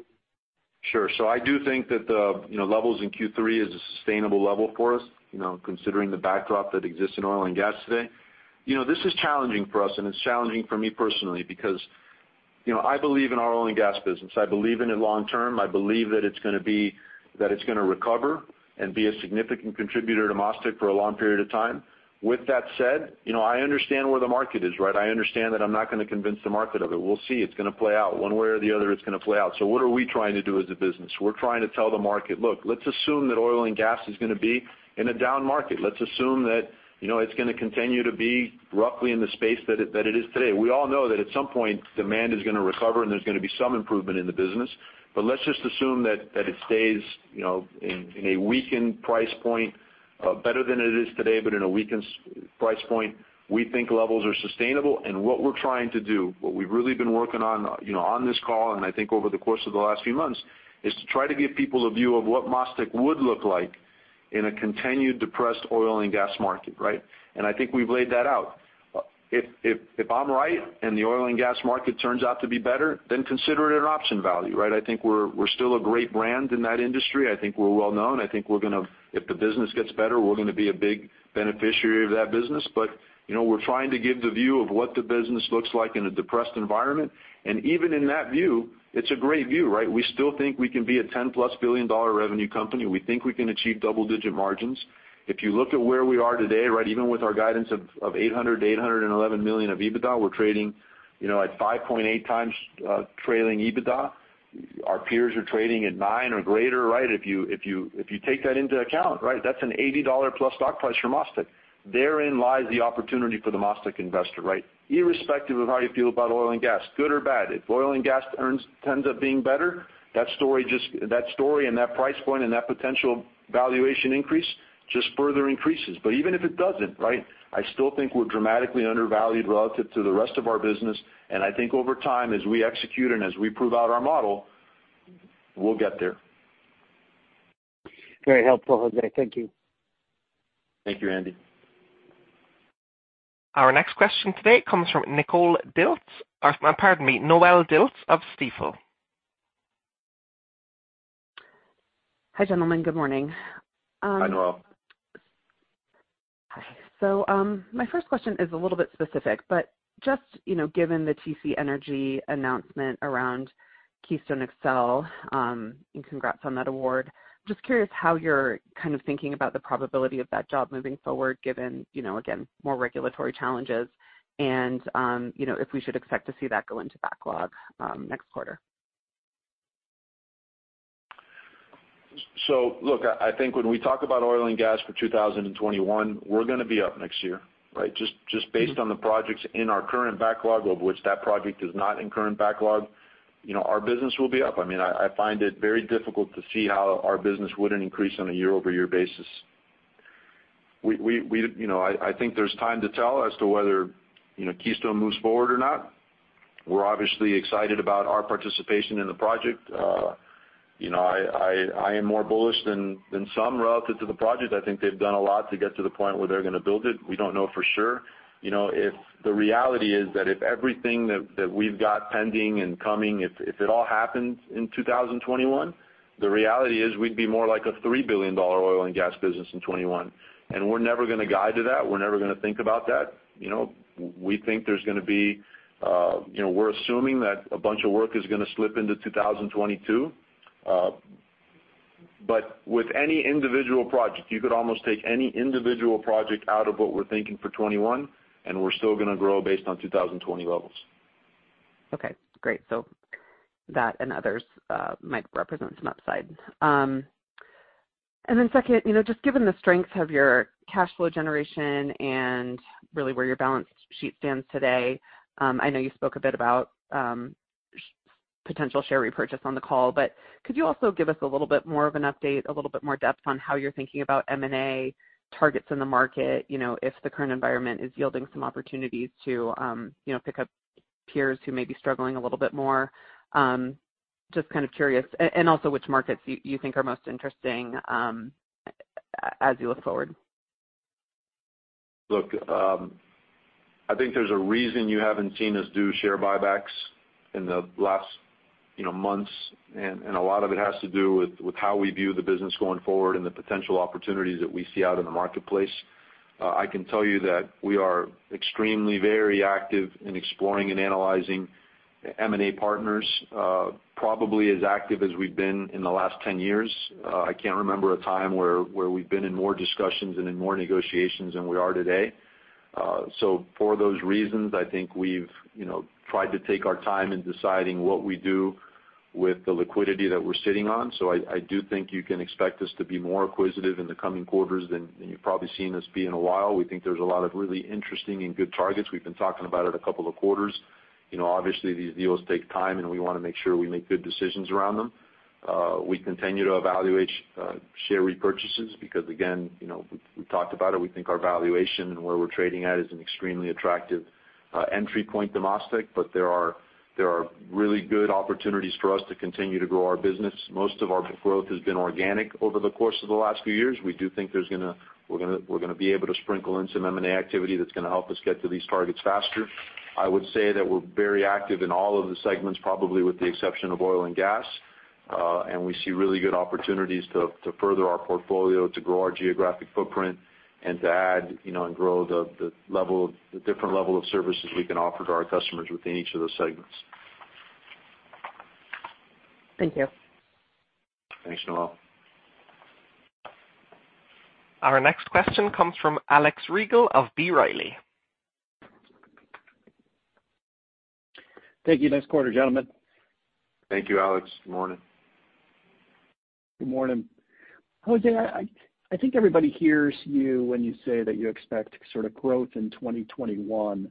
Sure. So I do think that the, you know, levels in Q3 is a sustainable level for us, you know, considering the backdrop that exists in oil and gas today. You know, this is challenging for us, and it's challenging for me personally because, you know, I believe in our oil and gas business. I believe in it long term. I believe that it's gonna recover and be a significant contributor to MasTec for a long period of time. With that said, you know, I understand where the market is, right? I understand that I'm not gonna convince the market of it. We'll see. It's gonna play out. One way or the other, it's gonna play out. What are we trying to do as a business? We're trying to tell the market, "Look, let's assume that oil and gas is gonna be in a down market. Let's assume that, you know, it's gonna continue to be roughly in the space that it is today." We all know that at some point, demand is gonna recover, and there's gonna be some improvement in the business. But let's just assume that it stays, you know, in a weakened price point, better than it is today, but in a weakened price point. We think levels are sustainable, and what we're trying to do, what we've really been working on, you know, on this call, and I think over the course of the last few months, is to try to give people a view of what MasTec would look like in a continued depressed oil and gas market, right? And I think we've laid that out. If I'm right, and the oil and gas market turns out to be better, then consider it an option value, right? I think we're still a great brand in that industry. I think we're well known. I think we're gonna If the business gets better, we're gonna be a big beneficiary of that business. you know, we're trying to give the view of what the business looks like in a depressed environment. And even in that view, it's a great view, right? We still think we can be a 10-plus billion dollar revenue company. We think we can achieve double-digit margins. If you look at where we are today, right, even with our guidance of $800 million-$811 million of EBITDA, we're trading, you know, at 5.8 times trailing EBITDA. Our peers are trading at nine or greater, right? If you take that into account, right, that's an $80 plus stock price for MasTec. Therein lies the opportunity for the MasTec investor, right? Irrespective of how you feel about oil and gas, good or bad, if oil and gas ends up being better, that story and that price point and that potential valuation increase just further increases. But even if it doesn't, right, I still think we're dramatically undervalued relative to the rest of our business, and I think over time, as we execute and as we prove out our model, we'll get there. Very helpful, Jose. Thank you. Thank you, Andy. Our next question today comes from Nicole Dilts, or pardon me, Noelle Dilts of Stifel. Hi, gentlemen. Good morning. Hi, Noelle. So my first question is a little bit specific, but just, you know, given the TC Energy announcement around Keystone XL, and congrats on that award, just curious how you're kind of thinking about the probability of that job moving forward, given, you know, again, more regulatory challenges and, you know, if we should expect to see that go into backlog, next quarter? So look, I think when we talk about oil and gas for 2021, we're gonna be up next year, right? Just based on the projects in our current backlog, of which that project is not in current backlog, you know, our business will be up. I mean, I find it very difficult to see how our business wouldn't increase on a year-over-year basis. We, we, we, you know, I think there's time to tell as to whether, you know, Keystone moves forward or not. We're obviously excited about our participation in the project, you know, I am more bullish than some relative to the project. I think they've done a lot to get to the point where they're gonna build it. We don't know for sure. You know, if the reality is that if everything that we've got pending and coming, if it all happens in 2021, the reality is we'd be more like a $3 billion oil and gas business in 2021. And we're never gonna guide to that. We're never gonna think about that. You know, we're assuming that a bunch of work is gonna slip into 2022. But, with any individual project, you could almost take any individual project out of what we're thinking for 2021, and we're still gonna grow based on 2020 levels. Okay, great. So, that and others might represent some upside. And then second, you know, just given the strength of your cash flow generation and really where your balance sheet stands today, I know you spoke a bit about potential share repurchase on the call, but, could you also give us a little bit more of an update, a little bit more depth on how you're thinking about M&A targets in the market? You know, if the current environment is yielding some opportunities to, you know, pick up peers who may be struggling a little bit more. Just kind of curious. And also, which markets you think are most interesting as you look forward? Look, I think there's a reason you haven't seen us do share buybacks in the last, you know, months, and a lot of it has to do with how we view the business going forward and the potential opportunities that we see out in the marketplace. I can tell you that we are extremely, very active in exploring and analyzing M&A partners, probably as active as we've been in the last 10 years. I can't remember a time where we've been in more discussions and in more negotiations than we are today. So for those reasons, I think we've, you know, tried to take our time in deciding what we do, with the liquidity that we're sitting on. So I do think you can expect us to be more acquisitive in the coming quarters than you've probably seen us be in a while. We think there's a lot of really interesting and good targets. We've been talking about it a couple of quarters. You know, obviously, these deals take time, and we wanna make sure we make good decisions around them. We continue to evaluate share repurchases because, again, you know, we've talked about it, we think our valuation and where we're trading at is an extremely attractive entry point to MasTec, but there are, there are really good opportunities for us to continue to grow our business. Most of our growth has been organic over the course of the last few years. We do think there's gonna we're gonna be able to sprinkle in some M&A activity that's gonna help us get to these targets faster. I would say that we're very active in all of the segments, probably with the exception of oil and gas. And we see really good opportunities to further our portfolio, to grow our geographic footprint, and to add, you know, and grow the different level of services we can offer to our customers within each of those segments. Thank you. Thanks, Noelle. Our next question comes from Alex Rygiel of B. Riley. Thank you. Nice quarter, gentlemen. Thank you, Alex. Good morning. Good morning. Jose, I think everybody hears you when you say that you expect sort of growth in 2021.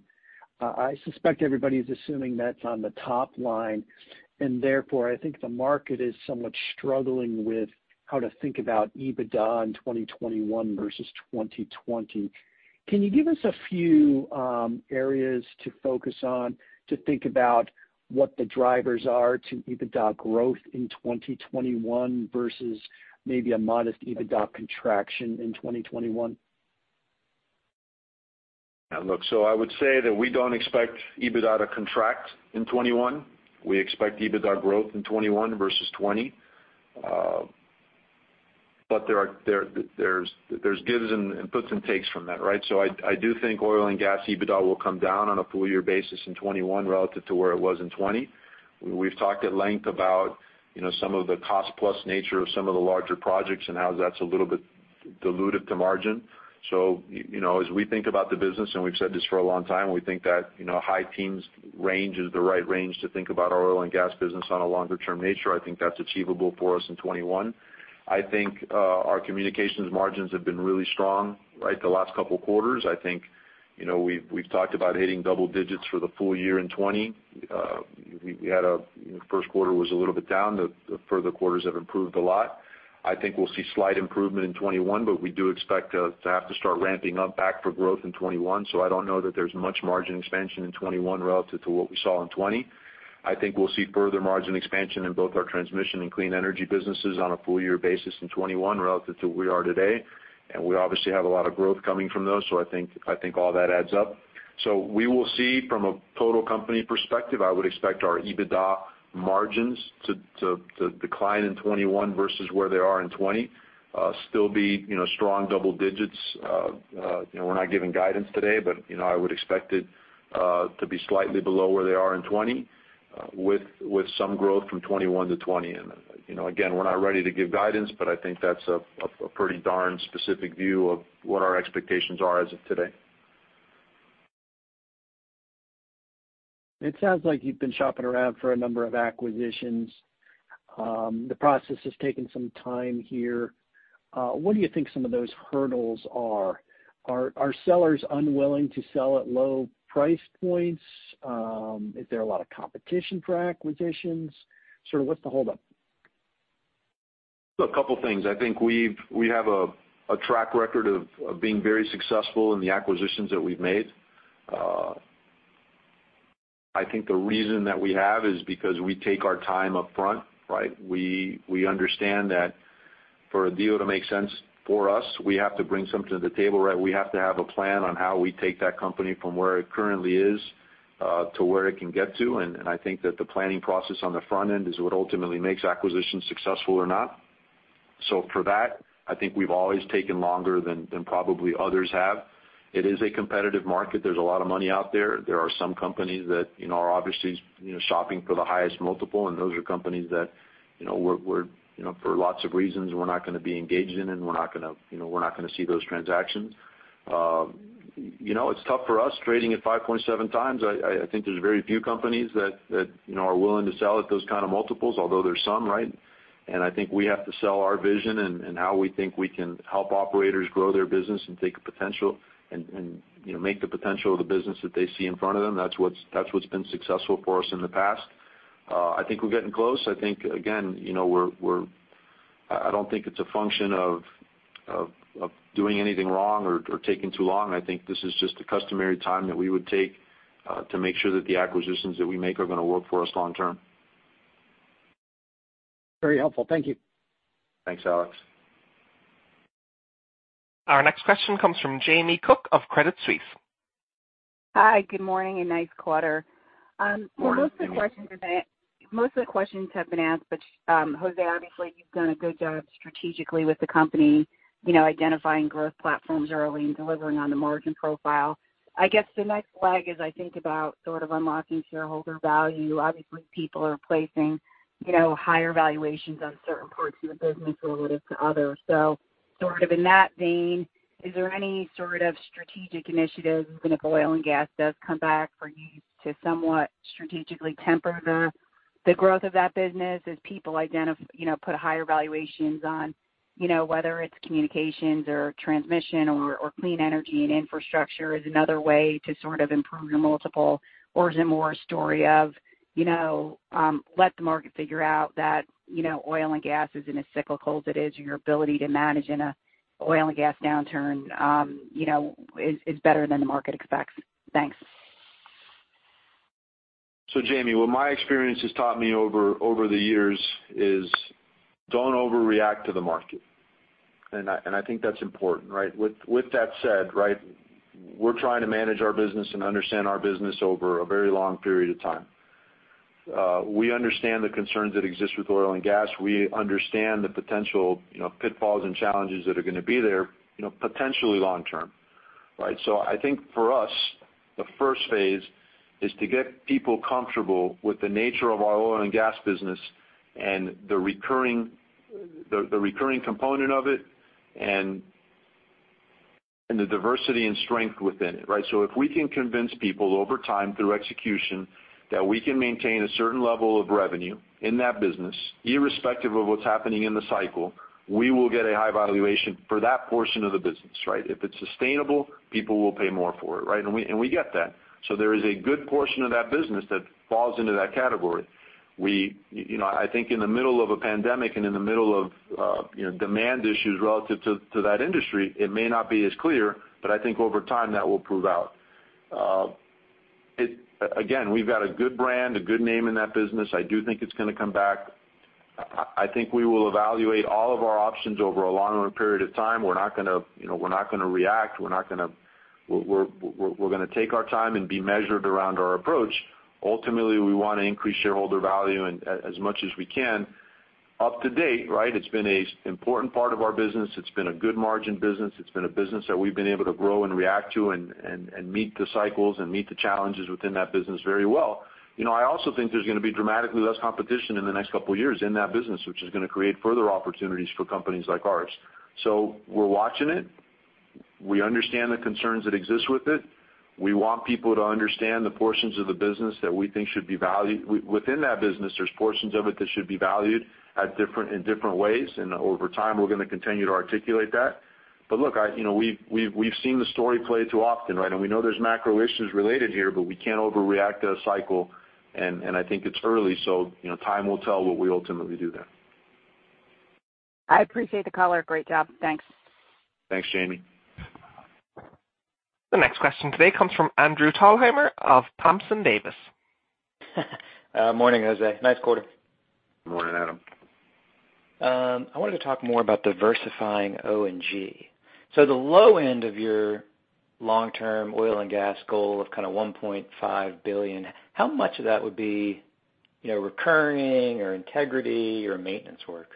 I suspect everybody's assuming that's on the top line, and therefore, I think the market is somewhat struggling with how to think about EBITDA in 2021 versus 2020. Can you give us a few areas to focus on to think about what the drivers are to EBITDA growth in 2021 versus maybe a modest EBITDA contraction in 2021? Look, so I would say that we don't expect EBITDA to contract in 2021. We expect EBITDA growth in 2021 versus 2020. But there's gives and puts and takes from that, right? So I do think oil and gas EBITDA will come down on a full year basis in 2021 relative to where it was in 2020. We've talked at length about, you know, some of the cost plus nature of some of the larger projects and how that's a little bit diluted to margin. So, you know, as we think about the business, and we've said this for a long time, we think that, you know, high teens range is the right range to think about our oil and gas business on a longer-term nature. I think that's achievable for us in 2021. I think our communications margins have been really strong, right, the last couple quarters. I think, you know, we've talked about hitting double digits for the full year in 2020. We had a, you know, Q1 was a little bit down. The further quarters have improved a lot. I think we'll see slight improvement in 2021. But we do expect to have to start ramping up back for growth in 2021. I don't know that there's much margin expansion in 2021 relative to what we saw in 2020. I think we'll see further margin expansion in both our transmission and clean energy businesses on a full year basis in 2021 relative to where we are today. And we obviously have a lot of growth coming from those. I think all that adds up. So we will see from a total company perspective, I would expect our EBITDA margins to decline in 2021 versus where they are in 2020, still be, you know, strong double digits. You know, we're not giving guidance today. But, you know, I would expect it to be slightly below where they are in 2020, with some growth from 2021 to 2020. You know, again, we're not ready to give guidance. But I think that's a pretty darn specific view of what our expectations are as of today. It sounds like you've been shopping around for a number of acquisitions. The process has taken some time here. What do you think some of those hurdles are? Are sellers unwilling to sell at low price points? Is there a lot of competition for acquisitions? Sort of what's the hold up? A couple things. I think we've, we have a track record of being very successful in the acquisitions that we've made. I think the reason that we have is because we take our time up front, right? We, we understand that for a deal to make sense for us, we have to bring something to the table, right? We have to have a plan on how we take that company from where it currently is to where it can get to. I think that the planning process on the front end is what ultimately makes acquisitions successful or not. So for that, I think we've always taken longer than probably others have. It is a competitive market. There's a lot of money out there. There are some companies that, you know, are obviously, you know, shopping for the highest multiple, and those are companies that, you know, we're, you know, for lots of reasons, we're not gonna be engaged in, and we're not gonna, you know, we're not gonna see those transactions. You know, it's tough for us trading at 5.7x. I think there's very few companies that, you know, are willing to sell at those kind of multiples, although there's some, right? And I think we have to sell our vision and how we think we can help operators grow their business and take the potential and, you know, make the potential of the business that they see in front of them. That's what's been successful for us in the past. I think we're getting close. I think, again, you know, I don't think it's a function of, of doing anything wrong or taking too long. I think this is just the customary time that we would take to make sure that the acquisitions that we make are gonna work for us long term. Very helpful. Thank you. Thanks, Alex. Our next question comes from Jamie Cook of Credit Suisse. Hi, good morning, and nice quarter. Good morning, Jamie. Well, most of the questions have been asked, but, Jose, obviously, you've done a good job strategically with the company, you know, identifying growth platforms early and delivering on the margin profile. I guess the next leg, as I think about sort of unlocking shareholder value, obviously, people are placing, you know, higher valuations on certain parts of the business relative to others. Sort of in that vein, is there any sort of strategic initiatives, even if oil and gas does come back, for you to somewhat strategically temper the growth of that business as people, you know, put higher valuations on, you know, whether it's communications or transmission or clean energy and infrastructure is another way to sort of improve your multiple? Or is it more a story of, you know, let the market figure out that, you know, oil and gas isn't as cyclical as it is, and your ability to manage in an oil and gas downturn, you know, is better than the market expects? Thanks. So Jamie, what my experience has taught me over the years is don't overreact to the market, and I think that's important, right? With that said, right, we're trying to manage our business and understand our business over a very long period of time. We understand the concerns that exist with oil and gas. We understand the potential, you know, pitfalls and challenges that are gonna be there, you know, potentially long term, right? I think for us, the first phase is to get people comfortable with the nature of our oil and gas business and the recurring, the recurring component of it, and the diversity and strength within it, right? If we can convince people over time, through execution, that we can maintain a certain level of revenue in that business, irrespective of what's happening in the cycle, we will get a high valuation for that portion of the business, right? If it's sustainable, people will pay more for it, right? We get that. So there is a good portion of that business that falls into that category. We, you know, I think in the middle of a pandemic and in the middle of, you know, demand issues relative to that industry, it may not be as clear, but I think over time, that will prove out. Again, we've got a good brand, a good name in that business. I do think it's gonna come back. I think we will evaluate all of our options over a longer period of time. We're not gonna, you know, we're not gonna react. We're gonna take our time and be measured around our approach. Ultimately, we wanna increase shareholder value and as much as we can. Up to date, right, it's been a important part of our business. It's been a good margin business. It's been a business that we've been able to grow and react to and meet the cycles and meet the challenges within that business very well. You know, I also think there's gonna be dramatically less competition in the next couple of years in that business, which is gonna create further opportunities for companies like ours. So, we're watching it. We understand the concerns that exist with it. We want people to understand the portions of the business that we think should be valued. Within that business, there's portions of it that should be valued at different, in different ways, and over time, we're gonna continue to articulate that. But look, I, you know, we've seen the story play too often, right? We know there's macro issues related here, but we can't overreact to a cycle, and I think it's early, so, you know, time will tell what we ultimately do there. I appreciate the color. Great job. Thanks. Thanks, Jamie. The next question today comes from Andrew Thalhimer of Thompson Davis. Morning, José. Nice quarter. Morning, Adam. I wanted to talk more about diversifying O&G. The low end of your long-term oil and gas goal of kind of $1.5 billion, how much of that would be, you know, recurring or integrity or maintenance work?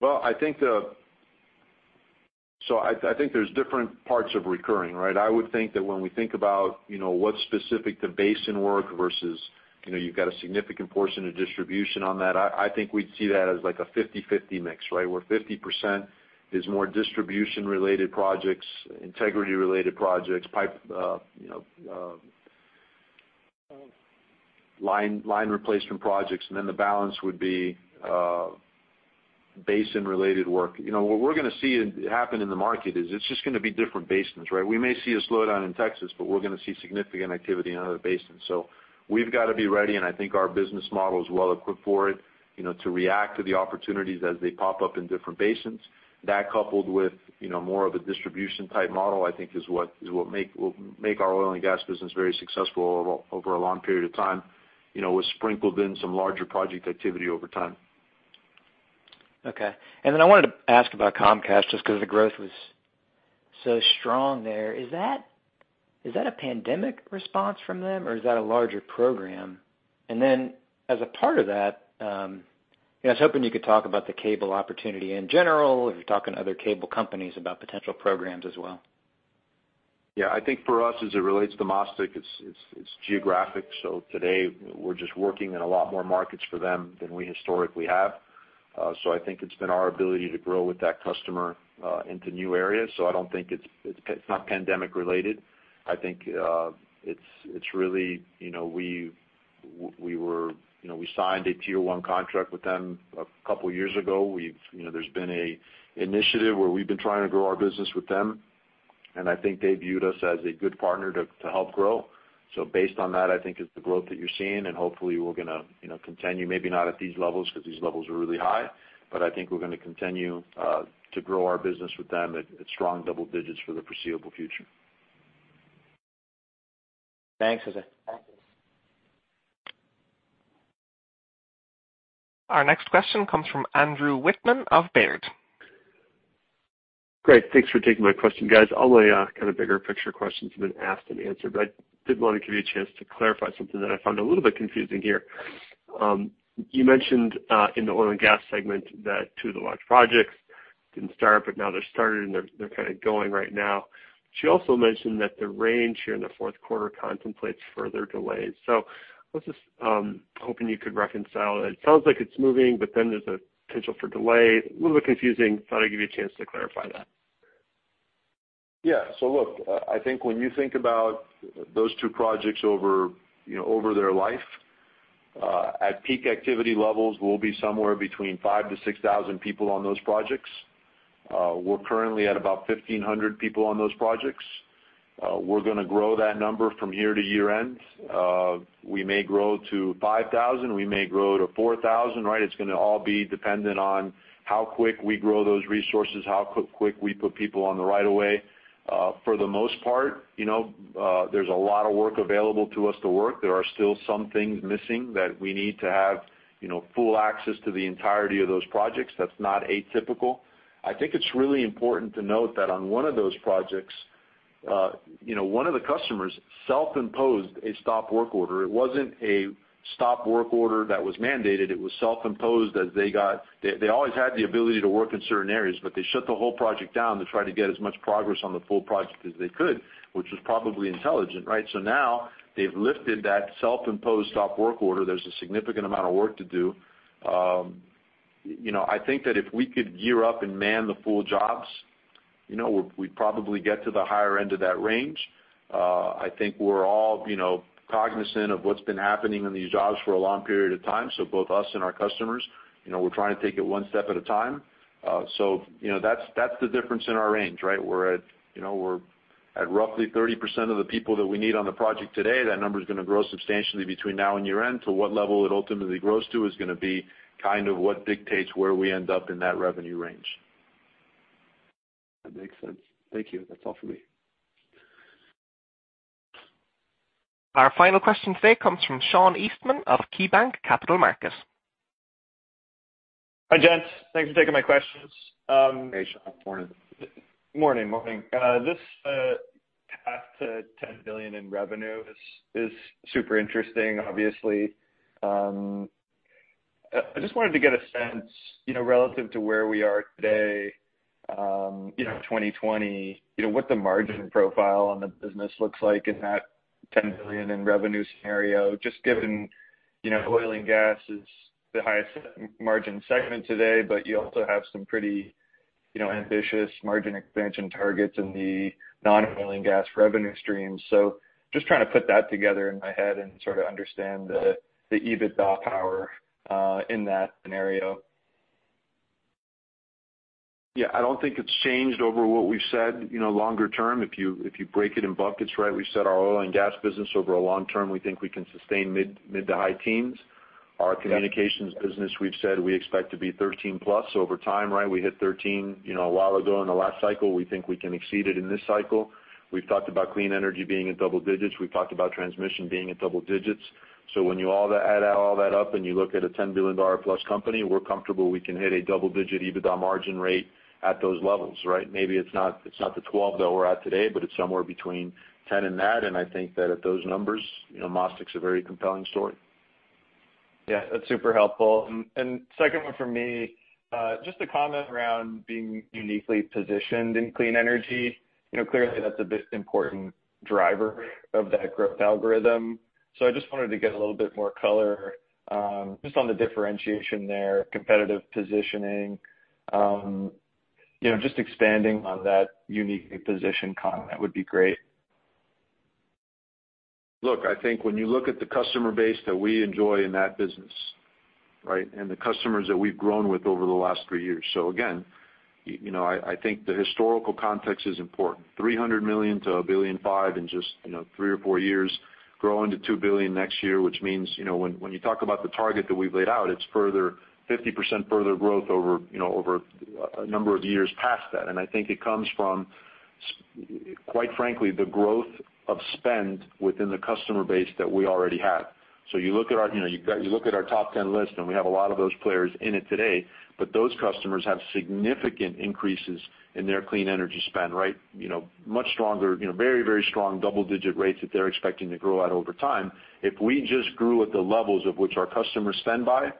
Well, I think there's different parts of recurring, right? I would think that when we think about, you know, what's specific to basin work versus, you know, you've got a significant portion of distribution on that, I think we'd see that as like a 50/50 mix, right? Where 50% is more distribution-related projects, integrity-related projects, pipe, you know, line replacement projects, and then the balance would be basin-related work. You know, what we're gonna see happen in the market is it's just gonna be different basins, right? We may see a slowdown in Texas, we're gonna see significant activity in other basins. So, we've got to be ready, and I think our business model is well equipped for it, you know, to react to the opportunities as they pop up in different basins. That, coupled with, you know, more of a distribution-type model, I think is what will make our oil and gas business very successful over a long period of time. You know, with sprinkled in some larger project activity over time. Okay. I wanted to ask about Comcast, just 'cause the growth was so strong there. Is that, is that a pandemic response from them, or is that a larger program? And then as a part of that, I was hoping you could talk about the cable opportunity in general, if you're talking to other cable companies about potential programs as well. Yeah. I think for us, as it relates to MasTec, it's, it's geographic. So, today, we're just working in a lot more markets for them than we historically have. I think it's been our ability to grow with that customer into new areas. So I don't think it's not pandemic related. I think, it's really, you know, we were, you know, we signed a tier one contract with them a couple of years ago. We've, you know, there's been a initiative where we've been trying to grow our business with them, and I think they viewed us as a good partner to help grow. So Based on that, I think it's the growth that you're seeing, and hopefully we're gonna, you know, continue, maybe not at these levels, 'cause these levels are really high, but I think we're gonna continue to grow our business with them at strong double digits for the foreseeable future. Thanks, José. Our next question comes from Andrew Wittmann of Baird. Great. Thanks for taking my question, guys. All my kind of bigger picture questions have been asked and answered, but I did want to give you a chance to clarify something that I found a little bit confusing here. You mentioned in the oil and gas segment that two of the large projects didn't start, but now they're started, and they're kind of going right now. She also mentioned that the range here in the Q4 contemplates further delays. So I was just hoping you could reconcile. It sounds like it's moving, but then there's a potential for delay. A little bit confusing. Thought I'd give you a chance to clarify that. Yes. So look, I think when you think about those two projects over, you know, over their life, at peak activity levels, we'll be somewhere between 5,000-6,000 people on those projects. We're currently at about 1,500 people on those projects. We're gonna grow that number from here to year-end. We may grow to 5,000, we may grow to 4,000, right? It's gonna all be dependent on how quick we grow those resources, how quick we put people on the right of way. For the most part, you know, there's a lot of work available to us to work. There are still some things missing that we need to have, you know, full access to the entirety of those projects. That's not atypical. I think it's really important to note that on one of those projects, you know, one of the customers self-imposed a stop work order. It wasn't a stop work order that was mandated, it was self-imposed as they always had the ability to work in certain areas, but they shut the whole project down to try to get as much progress on the full project as they could, which was probably intelligent, right? So now they've lifted that self-imposed stop work order. There's a significant amount of work to do, you know, I think that if we could gear up and man the full jobs, you know, we'd probably get to the higher end of that range. I think we're all, you know, cognizant of what's been happening in these jobs for a long period of time, so both us and our customers. You know, we're trying to take it one step at a time. So, you know, that's the difference in our range, right? We're at, you know, we're at roughly 30% of the people that we need on the project today. That number is gonna grow substantially between now and year-end. To what level it ultimately grows to is gonna be kind of what dictates where we end up in that revenue range. That makes sense. Thank you. That's all for me. Our final question today comes from Sean Eastman of KeyBanc Capital Markets. Hi, gents. Thanks for taking my questions. Hey, Sean. Morning. Morning. This path to $10 billion in revenue is super interesting, obviously. I just wanted to get a sense, you know, relative to where we are today, you know, 2020, you know, what the margin profile on the business looks like in that $10 billion in revenue scenario, just given, you know, oil and gas is the highest margin segment today, but you also have some pretty, you know, ambitious margin expansion targets in the non-oil and gas revenue streams. So, just trying to put that together in my head and sort of understand the EBITDA power in that scenario. Yeah, I don't think it's changed over what we've said, you know, longer term, if you break it in buckets, right? We've said our oil and gas business over a long term, we think we can sustain mid- to high-teens%. Yeah. Our communications business, we've said we expect to be 13 plus over time, right? We hit 13, you know, a while ago in the last cycle. We think we can exceed it in this cycle. We've talked about clean energy being in double digits. We've talked about transmission being in double digits. So when you add all that up and you look at a $10 billion plus company, we're comfortable we can hit a double-digit EBITDA margin rate at those levels, right? Maybe it's not, it's not the 12 that we're at today, but it's somewhere between 10 and that, and I think that at those numbers, you know, MasTec's a very compelling story. Yeah, that's super helpful. And second one for me, just a comment around being uniquely positioned in clean energy. You know, clearly, that's a big, important driver of that growth algorithm. So I just wanted to get a little bit more color, just on the differentiation there, competitive positioning. You know, just expanding on that unique position comment would be great. Look, I think when you look at the customer base that we enjoy in that business, right? The customers that we've grown with over the last three years. So again, you know, I think the historical context is important. $300 million to $1.5 billion in just, you know, three or four years, growing to $2 billion next year, which means, you know, when you talk about the target that we've laid out, it's further, 50% further growth over, you know, over a number of years past that. I think it comes from quite frankly, the growth of spend within the customer base that we already have. So you look at our, you know, you look at our top 10 list, and we have a lot of those players in it today, but those customers have significant increases in their clean energy spend, right? You know, much stronger, you know, very strong double-digit rates that they're expecting to grow at over time. If we just grew at the levels of which our customers spend by,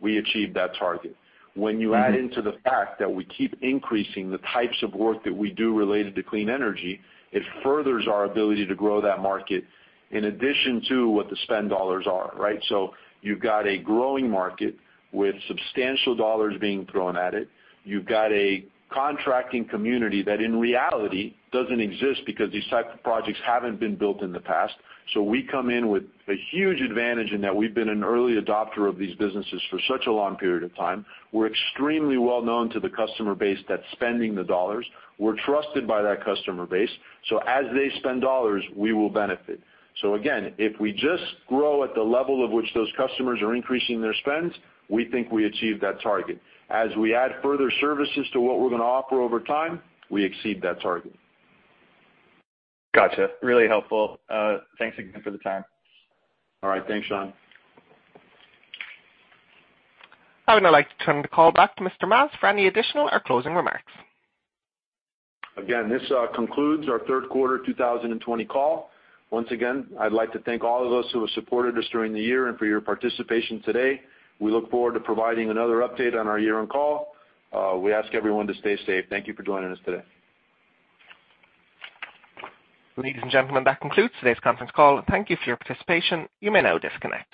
we achieve that target. Mm-hmm. When you add into the fact that we keep increasing the types of work that we do related to clean energy, it furthers our ability to grow that market in addition to what the spend dollars are, right? So you've got a growing market with substantial dollars being thrown at it. You've got a contracting community that, in reality, doesn't exist because these type of projects haven't been built in the past. So we come in with a huge advantage in that we've been an early adopter of these businesses for such a long period of time. We're extremely well known to the customer base that's spending the dollars. We're trusted by that customer base. So as they spend dollars, we will benefit. So again, if we just grow at the level of which those customers are increasing their spends, we think we achieve that target. As we add further services to what we're gonna offer over time, we exceed that target. Gotcha. Really helpful. Thanks again for the time. All right. Thanks, Sean. I would now like to turn the call back to Mr. Mas for any additional or closing remarks. Again, this concludes our Q3 2020 call. Once again, I'd like to thank all of those who have supported us during the year and for your participation today. We look forward to providing another update on our year-end call. We ask everyone to stay safe. Thank you for joining us today. Ladies and gentlemen, that concludes today's conference call. Thank you for your participation. You may now disconnect.